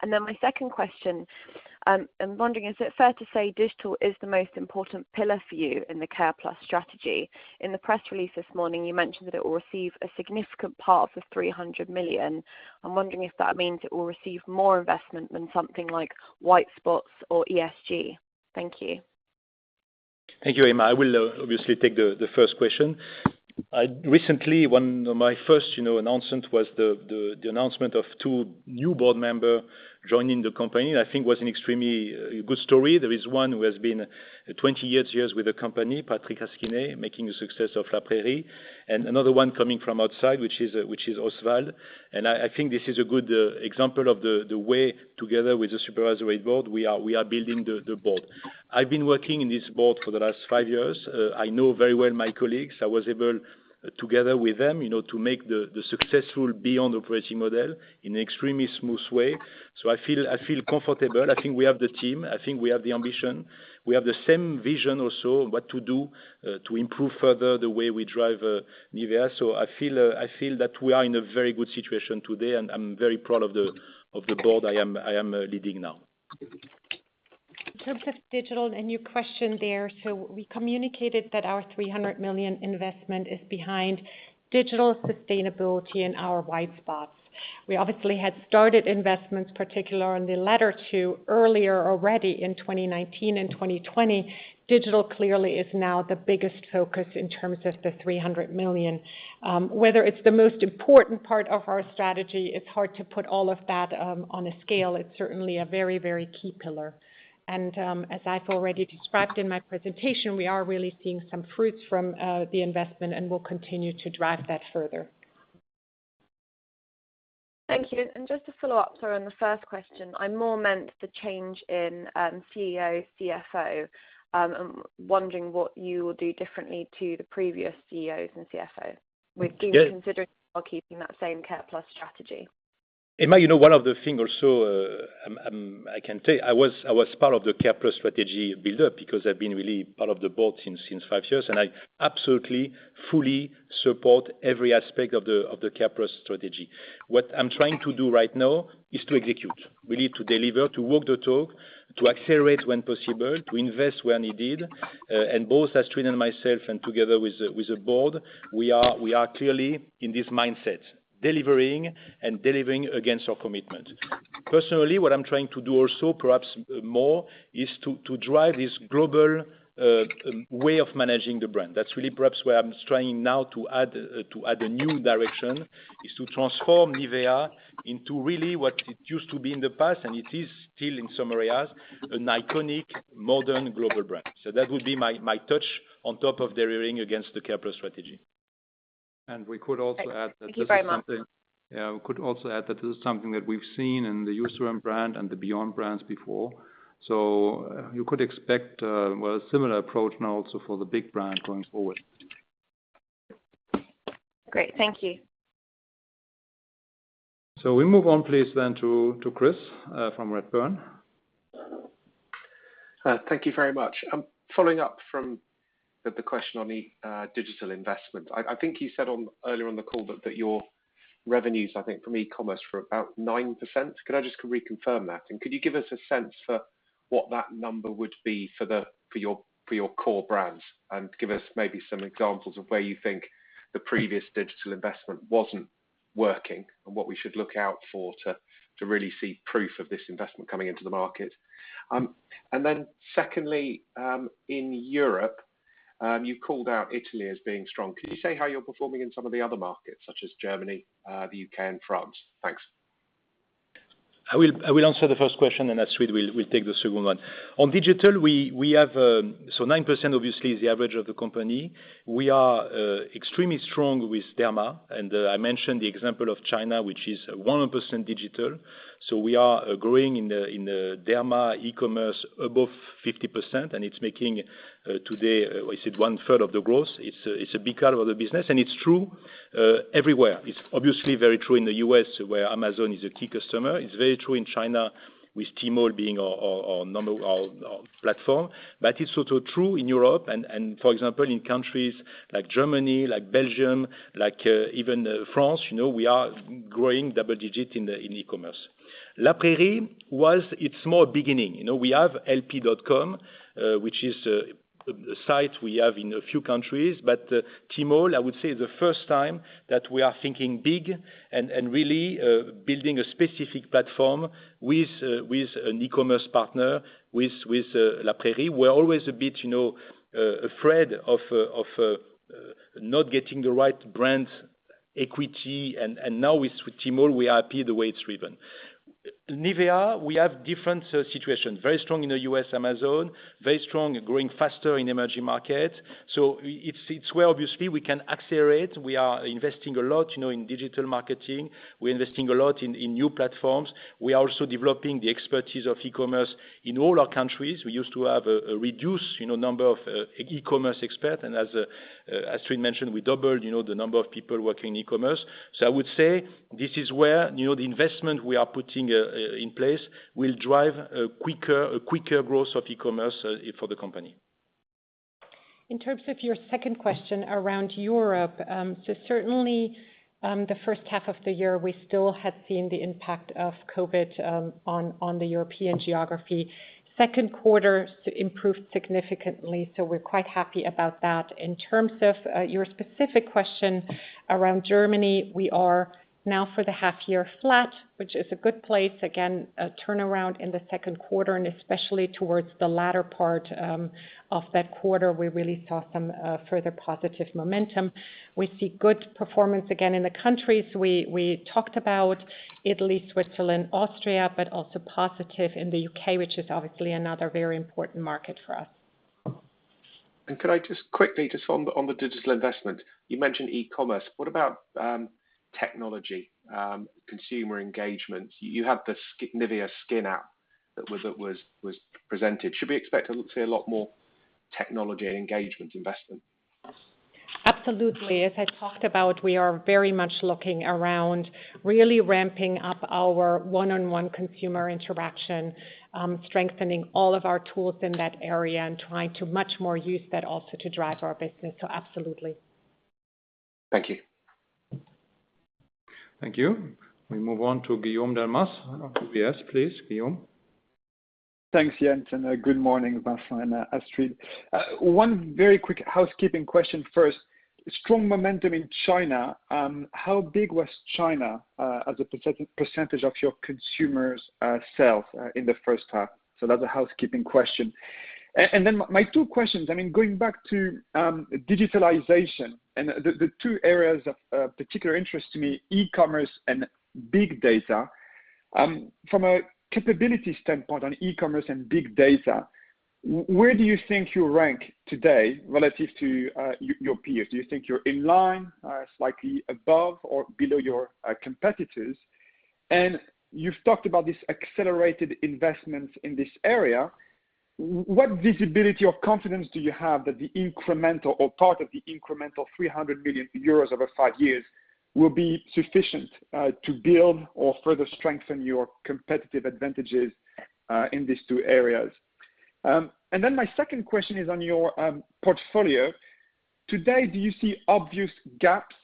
My second question, I'm wondering, is it fair to say digital is the most important pillar for you in the C.A.R.E.+ strategy? In the press release this morning, you mentioned that it will receive a significant part of the 300 million. I'm wondering if that means it will receive more investment than something like white spots or ESG. Thank you. Thank you, Emma. I will obviously take the first question. Recently, my first announcement was the announcement of two new board member joining the company, I think was an extremely good story. There is one who has been 20 years with the company, Patrick Rasquinet, making a success of La Prairie, and another one coming from outside, which is Oswald. I think this is a good example of the way, together with the supervisory board, we are building the board. I've been working in this board for the last five years. I know very well my colleagues. I was able, together with them, to make the successful C.A.R.E.+ operating model in an extremely smooth way. I feel comfortable. I think we have the team. I think we have the ambition. We have the same vision also on what to do to improve further the way we drive NIVEA. I feel that we are in a very good situation today, and I'm very proud of the board I am leading now. In terms of digital and your question there, we communicated that our 300 million investment is behind digital sustainability and our white spots. We obviously had started investments, particularly on the latter two, earlier already in 2019 and 2020. Digital clearly is now the biggest focus in terms of the 300 million. Whether it's the most important part of our strategy, it's hard to put all of that on a scale. It's certainly a very key pillar. As I've already described in my presentation, we are really seeing some fruits from the investment and we'll continue to drive that further. Thank you. Just to follow up, sorry, on the first question. I more meant the change in CEO, CFO, I'm wondering what you will do differently to the previous CEOs and CFOs. Yes. Do you consider keeping that same C.A.R.E.+ strategy? Emma, one of the things also I can tell you, I was part of the C.A.R.E.+ strategy buildup because I've been really part of the board since five years, and I absolutely, fully support every aspect of the C.A.R.E.+ strategy. What I'm trying to do right now is to execute. We need to deliver, to walk the talk, to accelerate when possible, to invest where needed. Both as Astrid and myself, and together with the board, we are clearly in this mindset. Delivering and delivering against our commitment. Personally, what I'm trying to do also, perhaps more, is to drive this global way of managing the brand. That's really perhaps where I'm trying now to add a new direction, is to transform NIVEA into really what it used to be in the past, and it is still in some areas, an iconic modern global brand. That would be my touch on top of delivering against the C.A.R.E.+ strategy. We could also add that this is. Thank you very much. We could also add that this is something that we've seen in the Eucerin brand and the C.A.R.E.+ brands before. You could expect a similar approach now also for the big brand going forward. Great. Thank you. We move on, please to Chris from Redburn. Thank you very much. Following up from the question on the digital investment. I think you said earlier on the call that your revenues, I think, from e-commerce were about 9%. Could I just reconfirm that? Could you give us a sense for what that number would be for your core brands and give us maybe some examples of where you think the previous digital investment wasn't working, and what we should look out for to really see proof of this investment coming into the market? Secondly, in Europe, you've called out Italy as being strong. Could you say how you're performing in some of the other markets, such as Germany, the U.K., and France? Thanks. I will answer the first question, as Astrid will take the second one. On digital, 9% obviously is the average of the company. We are extremely strong with derma, I mentioned the example of China, which is 100% digital. We are growing in the derma e-commerce above 50%, it's making today, is it 1/3 of the growth? It's a big part of the business, it's true everywhere. It's obviously very true in the U.S., where Amazon is a key customer. It's very true in China with Tmall being our platform. It's also true in Europe, for example, in countries like Germany, like Belgium, like even France, we are growing double digit in e-commerce. La Prairie, it's more beginning. We have laprairie.com, which is a site we have in a few countries. Tmall, I would say is the first time that we are thinking big and really building a specific platform with an e-commerce partner, with La Prairie. We're always a bit afraid of not getting the right brand equity. Now with Tmall, we are happy the way it's driven. NIVEA, we have different situations. Very strong in the U.S., Amazon. Very strong and growing faster in emerging markets. It's where obviously we can accelerate. We are investing a lot in digital marketing. We're investing a lot in new platforms. We are also developing the expertise of e-commerce in all our countries. We used to have a reduced number of e-commerce expert, and as Astrid mentioned, we doubled the number of people working in e-commerce. I would say this is where the investment we are putting in place will drive a quicker growth of e-commerce for the company. In terms of your second question around Europe, certainly, the first half of the year, we still had seen the impact of COVID on the European geography. Second quarter improved significantly, we're quite happy about that. In terms of your specific question around Germany, we are now for the half year flat, which is a good place. A turnaround in the second quarter and especially towards the latter part of that quarter, we really saw some further positive momentum. We see good performance again in the countries we talked about, Italy, Switzerland, Austria, but also positive in the U.K., which is obviously another very important market for us. Could I just quickly on the digital investment, you mentioned e-commerce. What about technology, consumer engagement? You have the NIVEA Skin App that was presented. Should we expect to see a lot more technology engagement investment? Absolutely. As I talked about, we are very much looking around really ramping up our one-on-one consumer interaction, strengthening all of our tools in that area and trying to much more use that also to drive our business. Absolutely. Thank you. Thank you. We move on to Guillaume Delmas of UBS. Please, Guillaume. Thanks, Jens, and good morning, Vincent and Astrid. One very quick housekeeping question first. Strong momentum in China. How big was China as a percentage of your consumer sales in the first half? That's a housekeeping question. My two questions, going back to digitalization and the two areas of particular interest to me, e-commerce and big data. From a capability standpoint on e-commerce and big data, where do you think you rank today relative to your peers? Do you think you're in line, slightly above or below your competitors? You've talked about these accelerated investments in this area. What visibility of confidence do you have that the incremental or part of the incremental 300 million euros over five years will be sufficient to build or further strengthen your competitive advantages in these two areas? Then my second question is on your portfolio. Today, do you see obvious gaps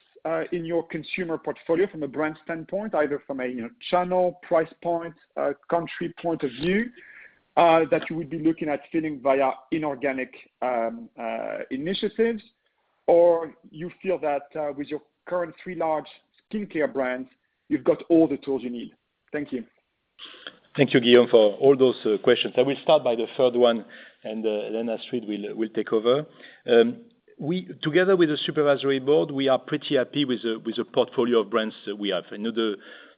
in your consumer portfolio from a brand standpoint, either from a channel, price point, country point of view, that you would be looking at filling via inorganic initiatives? You feel that with your current three large skincare brands, you've got all the tools you need? Thank you. Thank you, Guillaume, for all those questions. I will start by the third one, and then Astrid will take over. Together with the supervisory board, we are pretty happy with the portfolio of brands that we have.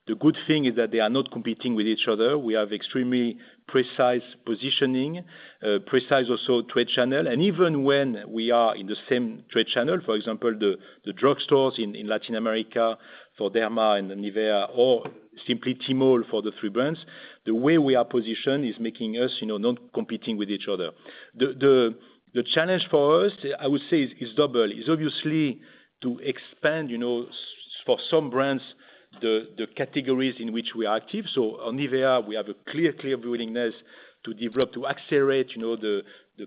The good thing is that they are not competing with each other. We have extremely precise positioning, precise also trade channel. Even when we are in the same trade channel, for example, the drugstores in Latin America for derma and NIVEA or simply Tmall for the three brands, the way we are positioned is making us not competing with each other. The challenge for us, I would say, is double. It's obviously to expand for some brands the categories in which we are active. On NIVEA, we have a clear willingness to develop, to accelerate the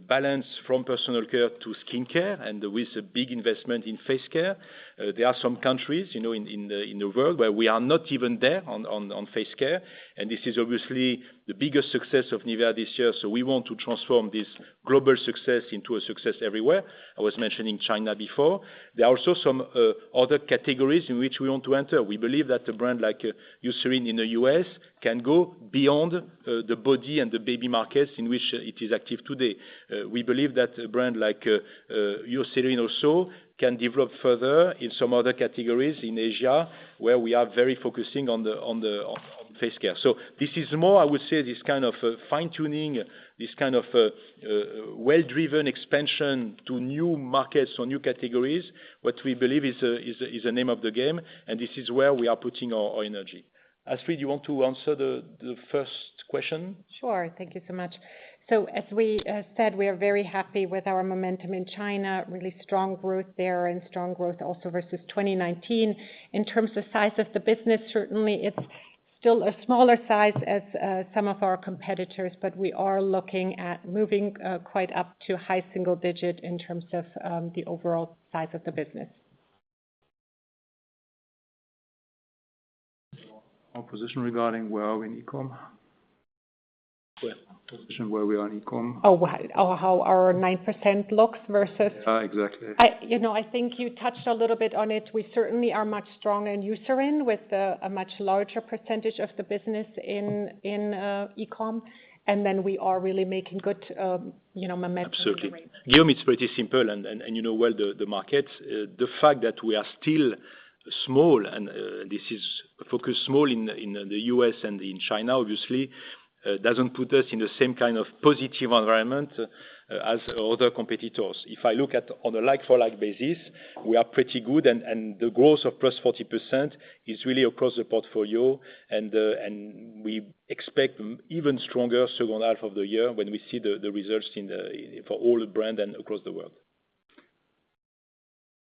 balance from personal care to skincare, and with a big investment in face care. There are some countries in the world where we are not even there on face care, and this is obviously the biggest success of NIVEA this year. We want to transform this global success into a success everywhere. I was mentioning China before. There are also some other categories in which we want to enter. We believe that a brand like Eucerin in the U.S. can go beyond the body and the baby markets in which it is active today. We believe that a brand like Eucerin also can develop further in some other categories in Asia, where we are very focusing on face care. This is more, I would say, this kind of fine-tuning, this kind of well-driven expansion to new markets or new categories, what we believe is the name of the game, and this is where we are putting our energy. Astrid, you want to answer the first question? Sure. Thank you so much. As we said, we are very happy with our momentum in China. Really strong growth there and strong growth also versus 2019. In terms of size of the business, certainly it's still a smaller size as some of our competitors, but we are looking at moving quite up to high single digit in terms of the overall size of the business. Our position regarding where are we in e-com? What? Position where we are in e-com. Oh, how our 9% looks versus- Exactly. I think you touched a little bit on it. We certainly are much stronger in Eucerin with a much larger percentage of the business in e-com, and then we are really making good momentum in the rest. Absolutely. Guillaume, it's pretty simple, you know well the market. The fact that we are still small, this is focused small in the U.S. and in China, obviously, doesn't put us in the same kind of positive environment as other competitors. If I look at on a like-for-like basis, we are pretty good, the growth of +40% is really across the portfolio, we expect even stronger second half of the year when we see the results for all the brand and across the world.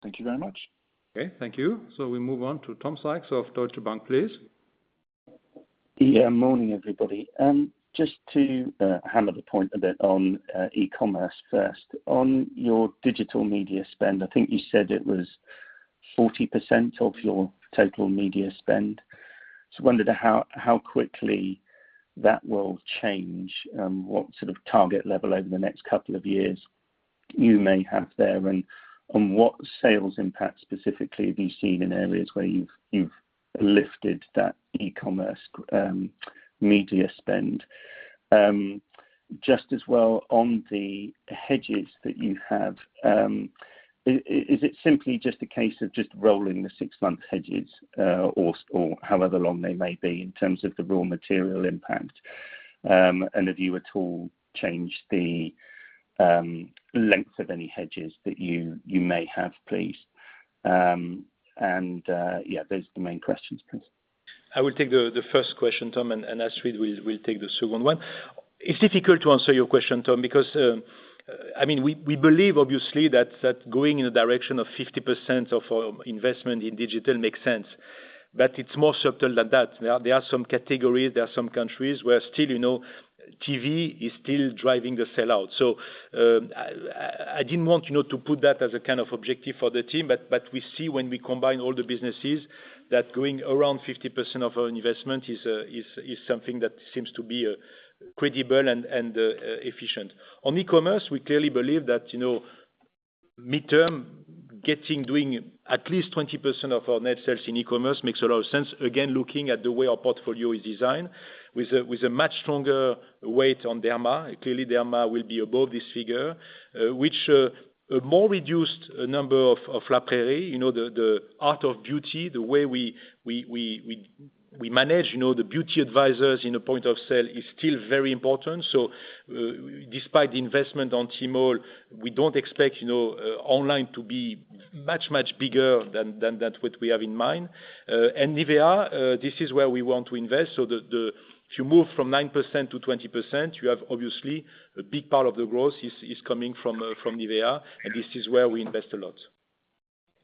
Thank you very much. Okay, thank you. We move on to Tom Sykes of Deutsche Bank, please. Morning, everybody. Just to hammer the point a bit on e-commerce first. On your digital media spend, I think you said it was 40% of your total media spend. Wondered how quickly that will change, what sort of target level over the next couple of years you may have there, and on what sales impact specifically have you seen in areas where you've lifted that e-commerce media spend? Just as well on the hedges that you have, is it simply just a case of just rolling the six-month hedges, or however long they may be in terms of the raw material impact? Have you at all changed the length of any hedges that you may have, please? Those are the main questions, please. I will take the first question, Tom, and Astrid will take the second one. It's difficult to answer your question, Tom, because we believe obviously that going in the direction of 50% of our investment in digital makes sense. It's more subtle than that. There are some categories, there are some countries where still TV is still driving the sell-out. I didn't want to put that as an objective for the team. We see when we combine all the businesses, that going around 50% of our investment is something that seems to be credible and efficient. On e-commerce, we clearly believe that midterm, doing at least 20% of our net sales in e-commerce makes a lot of sense. Looking at the way our portfolio is designed with a much stronger weight on derma. Clearly, derma will be above this figure, which a more reduced number of La Prairie, the art of beauty, the way we manage the beauty advisors in a point of sale is still very important. Despite the investment on Tmall, we don't expect online to be much, much bigger than that which we have in mind. NIVEA, this is where we want to invest. If you move from 9% to 20%, you have obviously a big part of the growth is coming from NIVEA, and this is where we invest a lot.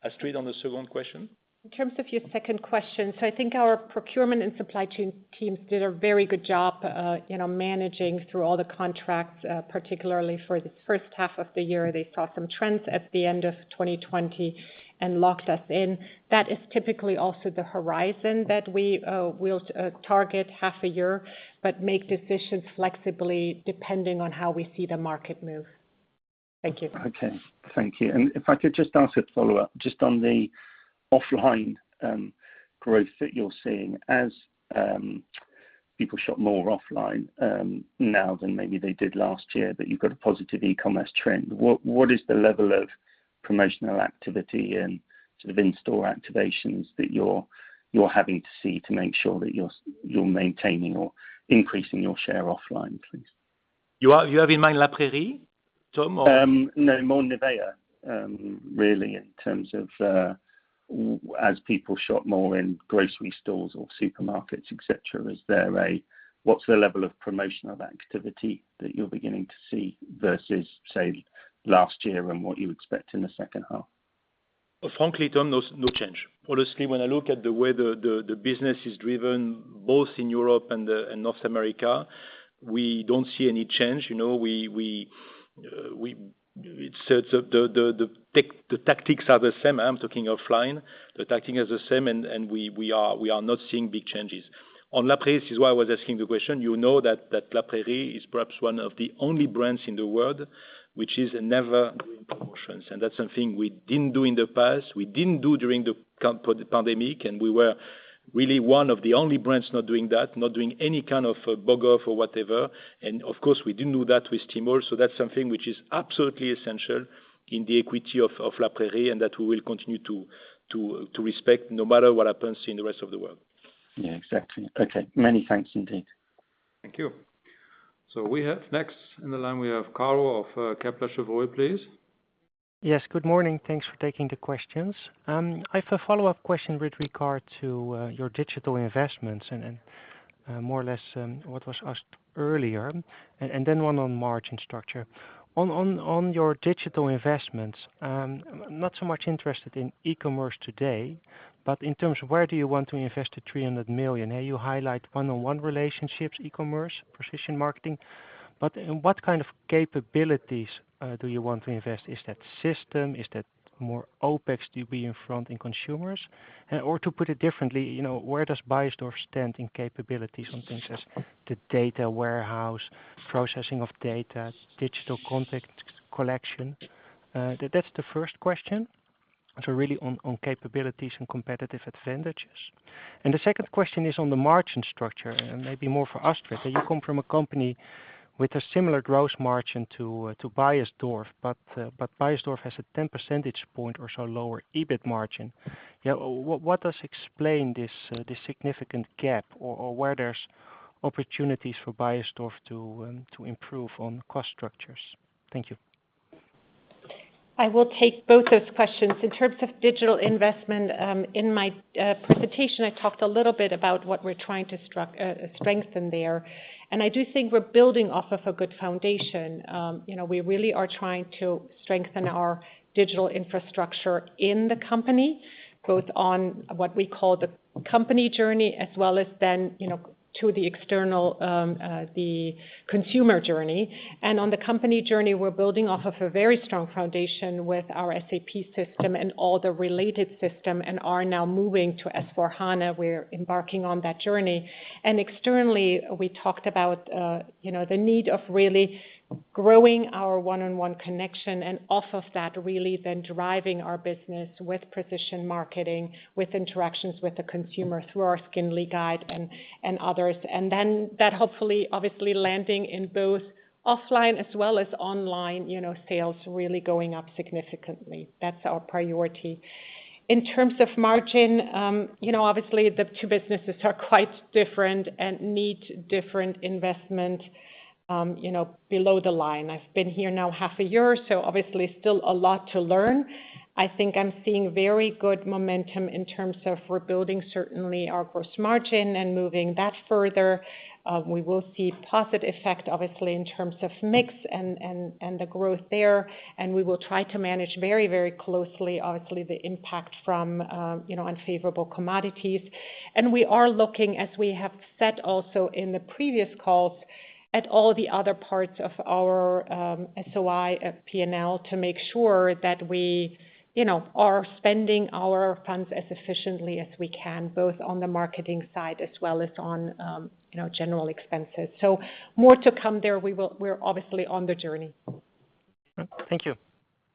Astrid, on the second question? In terms of your second question, I think our procurement and supply chain teams did a very good job managing through all the contracts, particularly for the first half of the year. They saw some trends at the end of 2020 and locked us in. That is typically also the horizon that we'll target half a year, but make decisions flexibly depending on how we see the market move. Thank you. Okay. Thank you. If I could just ask a follow-up just on the offline growth that you're seeing as people shop more offline now than maybe they did last year, but you've got a positive e-commerce trend. What is the level of promotional activity and sort of in-store activations that you're having to see to make sure that you're maintaining or increasing your share offline, please? You have in mind La Prairie, Tom, or? No, more NIVEA, really in terms of as people shop more in grocery stores or supermarkets, et cetera, what's the level of promotional activity that you're beginning to see versus, say, last year and what you expect in the second half? Frankly, Tom, no change. Honestly, when I look at the way the business is driven, both in Europe and North America, we don't see any change. The tactics are the same. I'm talking offline. The tactics are the same, and we are not seeing big changes. On La Prairie, this is why I was asking the question, you know that La Prairie is perhaps one of the only brands in the world which is never doing promotions, and that's something we didn't do in the past, we didn't do during the pandemic, and we were really one of the only brands not doing that, not doing any kind of buy off or whatever, and of course, we didn't do that with Tmall, so that's something which is absolutely essential in the equity of La Prairie, and that we will continue to respect no matter what happens in the rest of the world. Yeah, exactly. Okay. Many thanks indeed. Thank you. We have next in the line, we have Karel of Kepler Cheuvreux, please. Yes, good morning. Thanks for taking the questions. I have a follow-up question with regard to your digital investments and more or less what was asked earlier, and then one on margin structure. On your digital investments, I'm not so much interested in e-commerce today, but in terms of where do you want to invest the 300 million. You highlight one-on-one relationships, e-commerce, precision marketing, but in what kind of capabilities do you want to invest? Is that system? Is that more OpEx to be in front in consumers? To put it differently, where does Beiersdorf stand in capabilities on things as the data warehouse, processing of data, digital contact collection? That's the first question. Really on capabilities and competitive advantages. The second question is on the margin structure, and maybe more for Astrid. You come from a company with a similar gross margin to Beiersdorf, but Beiersdorf has a 10 percentage point or so lower EBIT margin. What does explain this significant gap or where there's opportunities for Beiersdorf to improve on cost structures? Thank you. I will take both those questions. In terms of digital investment, in my presentation, I talked a little bit about what we're trying to strengthen there, and I do think we're building off of a good foundation. We really are trying to strengthen our digital infrastructure in the company, both on what we call the company journey, as well as then to the external, the consumer journey. On the company journey, we're building off of a very strong foundation with our SAP system and all the related system and are now moving to S/4HANA. We're embarking on that journey. Externally, we talked about the need of really growing our one-on-one connection, and off of that, really then driving our business with precision marketing, with interactions with the consumer through our SKINLY guide and others. That hopefully, obviously landing in both offline as well as online sales really going up significantly. That's our priority. In terms of margin, obviously, the two businesses are quite different and need different investment below the line. I've been here now half a year, so obviously still a lot to learn. I'm seeing very good momentum in terms of we're building certainly our gross margin and moving that further. We will see positive effect, obviously, in terms of mix and the growth there, we will try to manage very, very closely, obviously, the impact from unfavorable commodities. We are looking, as we have said also in the previous calls, at all the other parts of our SOI, P&L to make sure that we are spending our funds as efficiently as we can, both on the marketing side as well as on general expenses. More to come there. We're obviously on the journey. Thank you.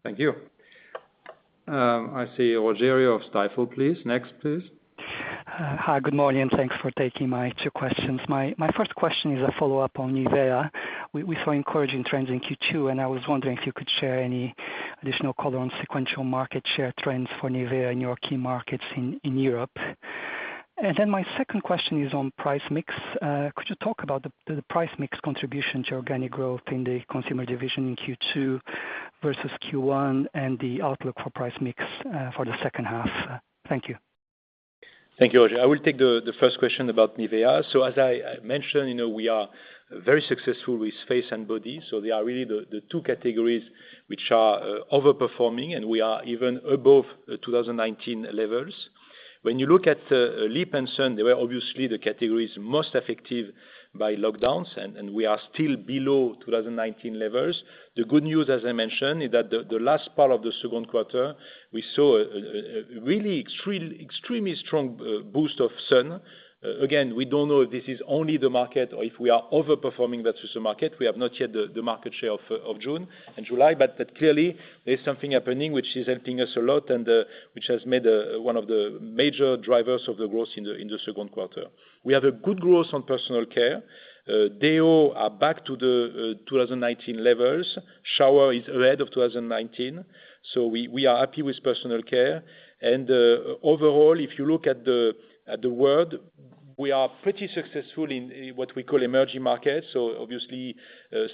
Thank you. I see Rogerio of Stifel, please. Next, please. Hi, good morning, thanks for taking my two questions. My first question is a follow-up on NIVEA. We saw encouraging trends in Q2, and I was wondering if you could share any additional color on sequential market share trends for NIVEA in your key markets in Europe. My second question is on price mix. Could you talk about the price mix contribution to organic growth in the consumer division in Q2 versus Q1, and the outlook for price mix for the second half? Thank you. Thank you, Roger. I will take the first question about NIVEA. As I mentioned, we are very successful with face and body, they are really the two categories which are over-performing, and we are even above the 2019 levels. When you look at lip and sun, they were obviously the categories most affected by lockdowns, and we are still below 2019 levels. The good news, as I mentioned, is that the last part of the second quarter, we saw a really extremely strong boost of sun. Again, we don't know if this is only the market or if we are over-performing versus market. We have not yet the market share of June and July, but clearly there's something happening which is helping us a lot and which has made one of the major drivers of the growth in the second quarter. We have a good growth on personal care. Deo are back to the 2019 levels. Shower is ahead of 2019. We are happy with personal care. Overall, if you look at the world, we are pretty successful in what we call emerging markets, obviously,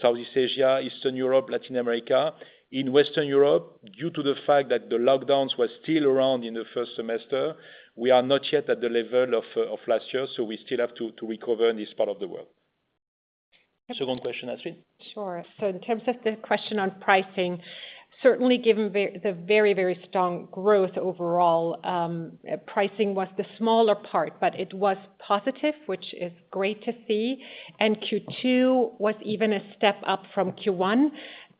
Southeast Asia, Eastern Europe, Latin America. In Western Europe, due to the fact that the lockdowns were still around in the first semester, we are not yet at the level of last year, so we still have to recover in this part of the world. Second question, Astrid? Sure. In terms of the question on pricing, certainly given the very strong growth overall, pricing was the smaller part, but it was positive, which is great to see. Q2 was even a step up from Q1,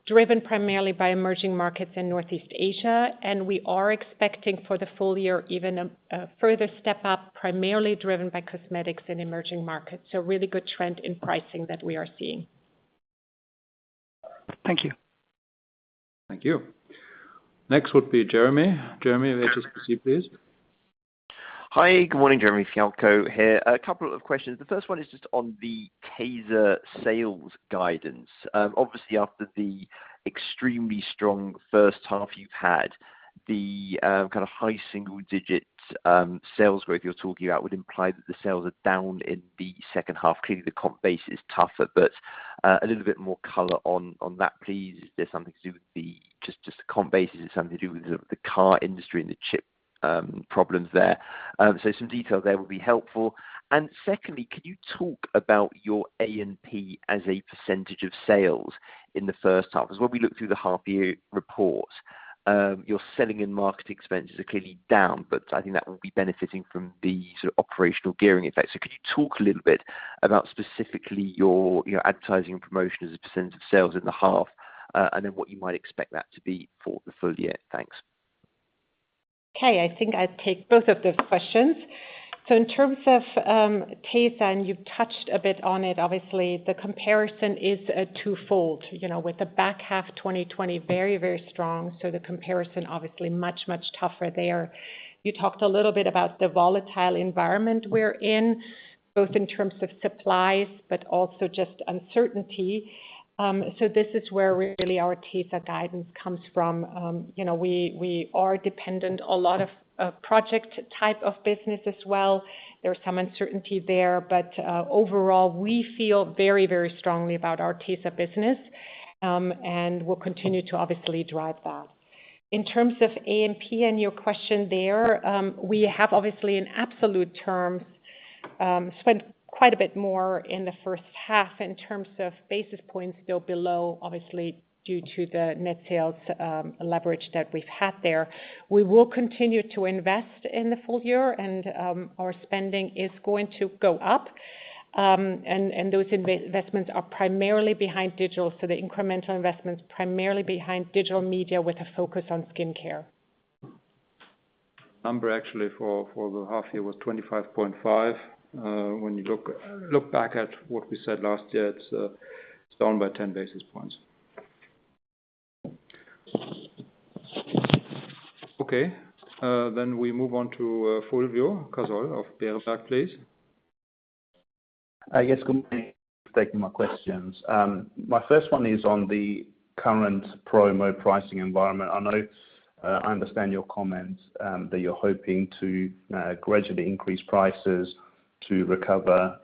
driven primarily by emerging markets in Northeast Asia. We are expecting for the full year even a further step up, primarily driven by cosmetics in emerging markets, so really good trend in pricing that we are seeing. Thank you. Thank you. Next would be Jeremy. Jeremy, HSBC, please. Hi, good morning. Jeremy Fialko here. A couple of questions. The first one is just on the tesa sales guidance. Obviously after the extremely strong first half you've had, the kind of high single-digit sales growth you're talking about would imply that the sales are down in the second half. Clearly, the comp base is tougher, but a little bit more color on that, please. Is it something to do with the just the comp base? Is it something to do with the car industry and the chip problems there? So some detail there would be helpful. Secondly, could you talk about your A&P as a percentage of sales in the first half? Because when we look through the half-year report, your selling and marketing expenses are clearly down, but I think that will be benefiting from the sort of operational gearing effect. Could you talk a little bit about specifically your advertising and promotion as a percent of sales in the half, and then what you might expect that to be for the full year? Thanks. Okay, I think I'll take both of those questions. In terms of tesa, and you've touched a bit on it, obviously, the comparison is twofold. With the back half 2020 very strong, the comparison obviously much tougher there. You talked a little bit about the volatile environment we're in, both in terms of supplies, but also just uncertainty. This is where really our tesa guidance comes from. We are dependent a lot of project type of business as well. There's some uncertainty there. Overall, we feel very strongly about our tesa business, and we'll continue to obviously drive that. In terms of A&P and your question there, we have obviously in absolute terms, spent quite a bit more in the first half in terms of basis points, still below, obviously, due to the net sales leverage that we've had there. We will continue to invest in the full year and our spending is going to go up. Those investments are primarily behind digital, the incremental investments primarily behind digital media with a focus on skin care. Number actually for the half year was 25.5%. When you look back at what we said last year, it's down by 10 basis points. Okay, we move on to Fulvio Cazzol of Berenberg, please. Yes, good morning. Thank you for taking my questions. My first one is on the current promo pricing environment. I understand your comments that you're hoping to gradually increase prices to recover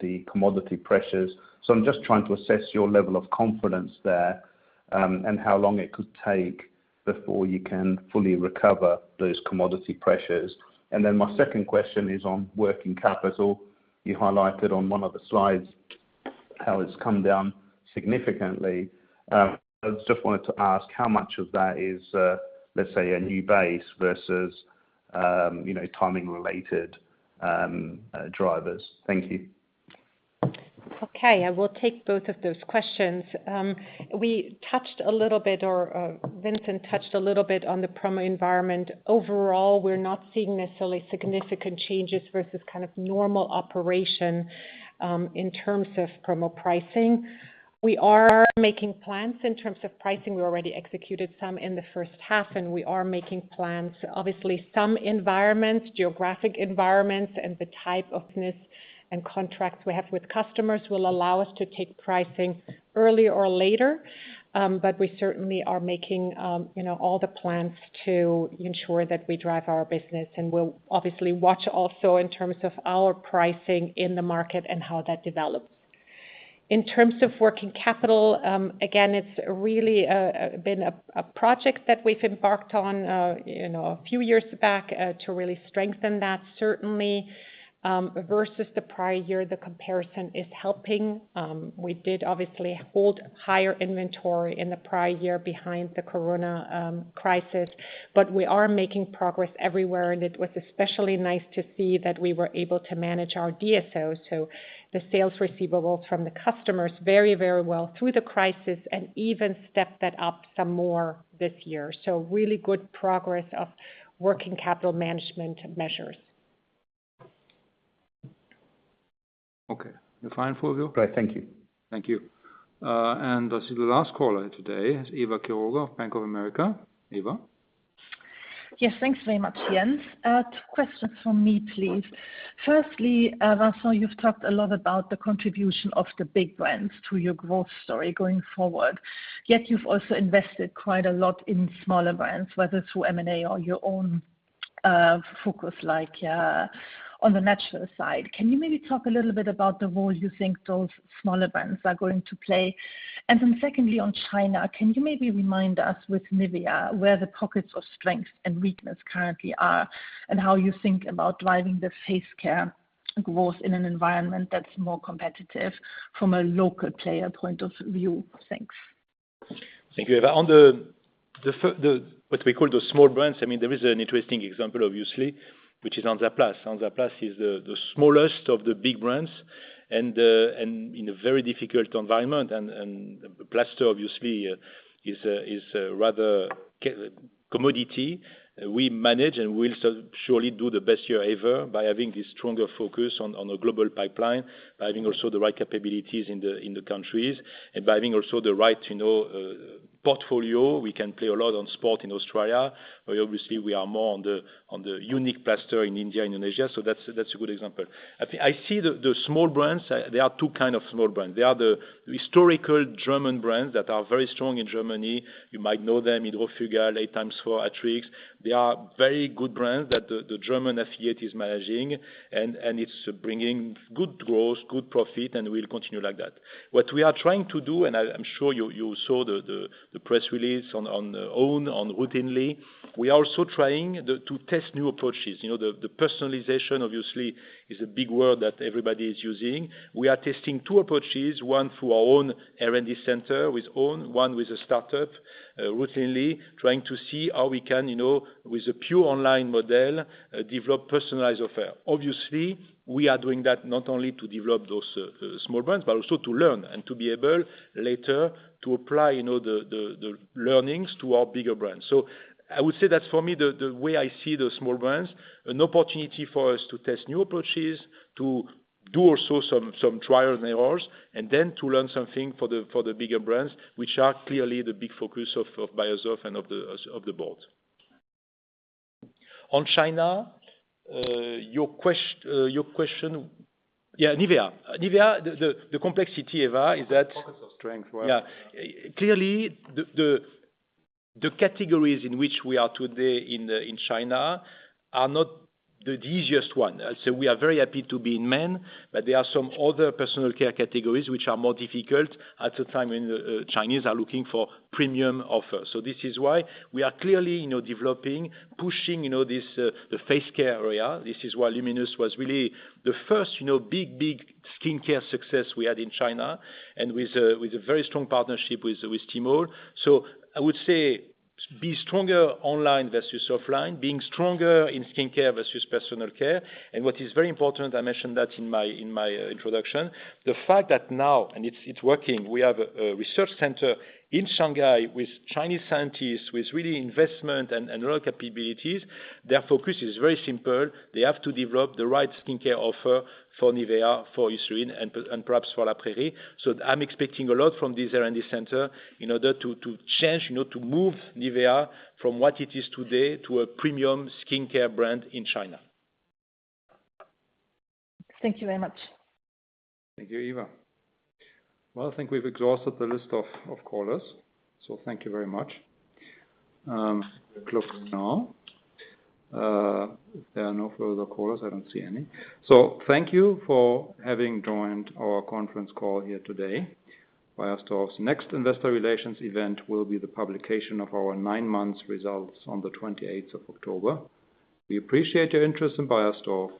the commodity pressures. I'm just trying to assess your level of confidence there, and how long it could take before you can fully recover those commodity pressures. Then my second question is on working capital. You highlighted on one of the slides how it's come down significantly. I just wanted to ask how much of that is, let's say, a new base versus timing related drivers. Thank you. Okay, I will take both of those questions. We touched a little bit, or Vincent touched a little bit on the promo environment. Overall, we're not seeing necessarily significant changes versus kind of normal operation in terms of promo pricing. We are making plans in terms of pricing. We already executed some in the first half. We are making plans. Obviously, some environments, geographic environments, and the type of business and contracts we have with customers will allow us to take pricing earlier or later. We certainly are making all the plans to ensure that we drive our business. We'll obviously watch also in terms of our pricing in the market and how that develops. In terms of working capital, again, it's really been a project that we've embarked on a few years back, to really strengthen that. Certainly, versus the prior year, the comparison is helping. We did obviously hold higher inventory in the prior year behind the Corona crisis, but we are making progress everywhere, and it was especially nice to see that we were able to manage our DSOs, so the sales receivables from the customers very well through the crisis and even step that up some more this year. Really good progress of working capital management measures. Okay. You're fine, Fulvio? Great. Thank you. Thank you. This is the last caller today is Eva Quiroga of Bank of America. Eva? Yes. Thanks very much, Jens. Two questions from me, please. Firstly, Vincent, you've talked a lot about the contribution of the big brands to your growth story going forward. You've also invested quite a lot in smaller brands, whether through M&A or your own focus like on the natural side. Can you maybe talk a little bit about the role you think those smaller brands are going to play? Secondly, on China, can you maybe remind us with NIVEA where the pockets of strength and weakness currently are, and how you think about driving the face care growth in an environment that's more competitive from a local player point of view? Thanks. Thank you, Eva. On what we call those small brands, there is an interesting example, obviously, which is Hansaplast. Hansaplast is the smallest of the big brands and in a very difficult environment, and plaster, obviously, is a rather commodity we manage, and we'll surely do the best year ever by having this stronger focus on a global pipeline, by having also the right capabilities in the countries and by having also the right portfolio. We can play a lot on sport in Australia, but obviously we are more on the unique plaster in India and Indonesia. That's a good example. I see the small brands, there are two kind of small brands. There are the historical German brands that are very strong in Germany. You might know them, Hidrofugal, 8X4, Atrix. They are very good brands that the German affiliate is managing, and it's bringing good growth, good profit, and we'll continue like that. What we are trying to do, and I'm sure you saw the press release on OW.N., on Routinely. We are also trying to test new approaches. The personalization, obviously, is a big word that everybody is using. We are testing two approaches, one through our own R&D center with OW.N., one with a startup, Routinely, trying to see how we can, with a pure online model, develop personalized offer. Obviously, we are doing that not only to develop those small brands, but also to learn and to be able later to apply the learnings to our bigger brands. I would say that for me, the way I see the small brands, an opportunity for us to test new approaches, to do also some trial and errors, and then to learn something for the bigger brands, which are clearly the big focus of Beiersdorf and of the board. On China, your question. NIVEA. NIVEA, the complexity, Eva, is that. Pockets of strength, right? Yeah. Clearly, the categories in which we are today in China are not the easiest one. We are very happy to be in men, but there are some other personal care categories which are more difficult at the time when Chinese are looking for premium offers. This is why we are clearly developing, pushing the face care area. This is why Luminous was really the first big skincare success we had in China and with a very strong partnership with Tmall. I would say be stronger online versus offline, being stronger in skincare versus personal care. What is very important, I mentioned that in my introduction, the fact that now, and it's working, we have a research center in Shanghai with Chinese scientists, with really investment and real capabilities. Their focus is very simple. They have to develop the right skincare offer for NIVEA, for Eucerin, and perhaps for La Prairie. I'm expecting a lot from this R&D center in order to change, to move NIVEA from what it is today to a premium skincare brand in China. Thank you very much. Thank you, Eva. Well, I think we've exhausted the list of callers, thank you very much. We'll close now. If there are no further callers, I don't see any. Thank you for having joined our conference call here today. Beiersdorf's next investor relations event will be the publication of our nine months results on the 28th of October. We appreciate your interest in Beiersdorf.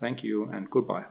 Thank you and goodbye.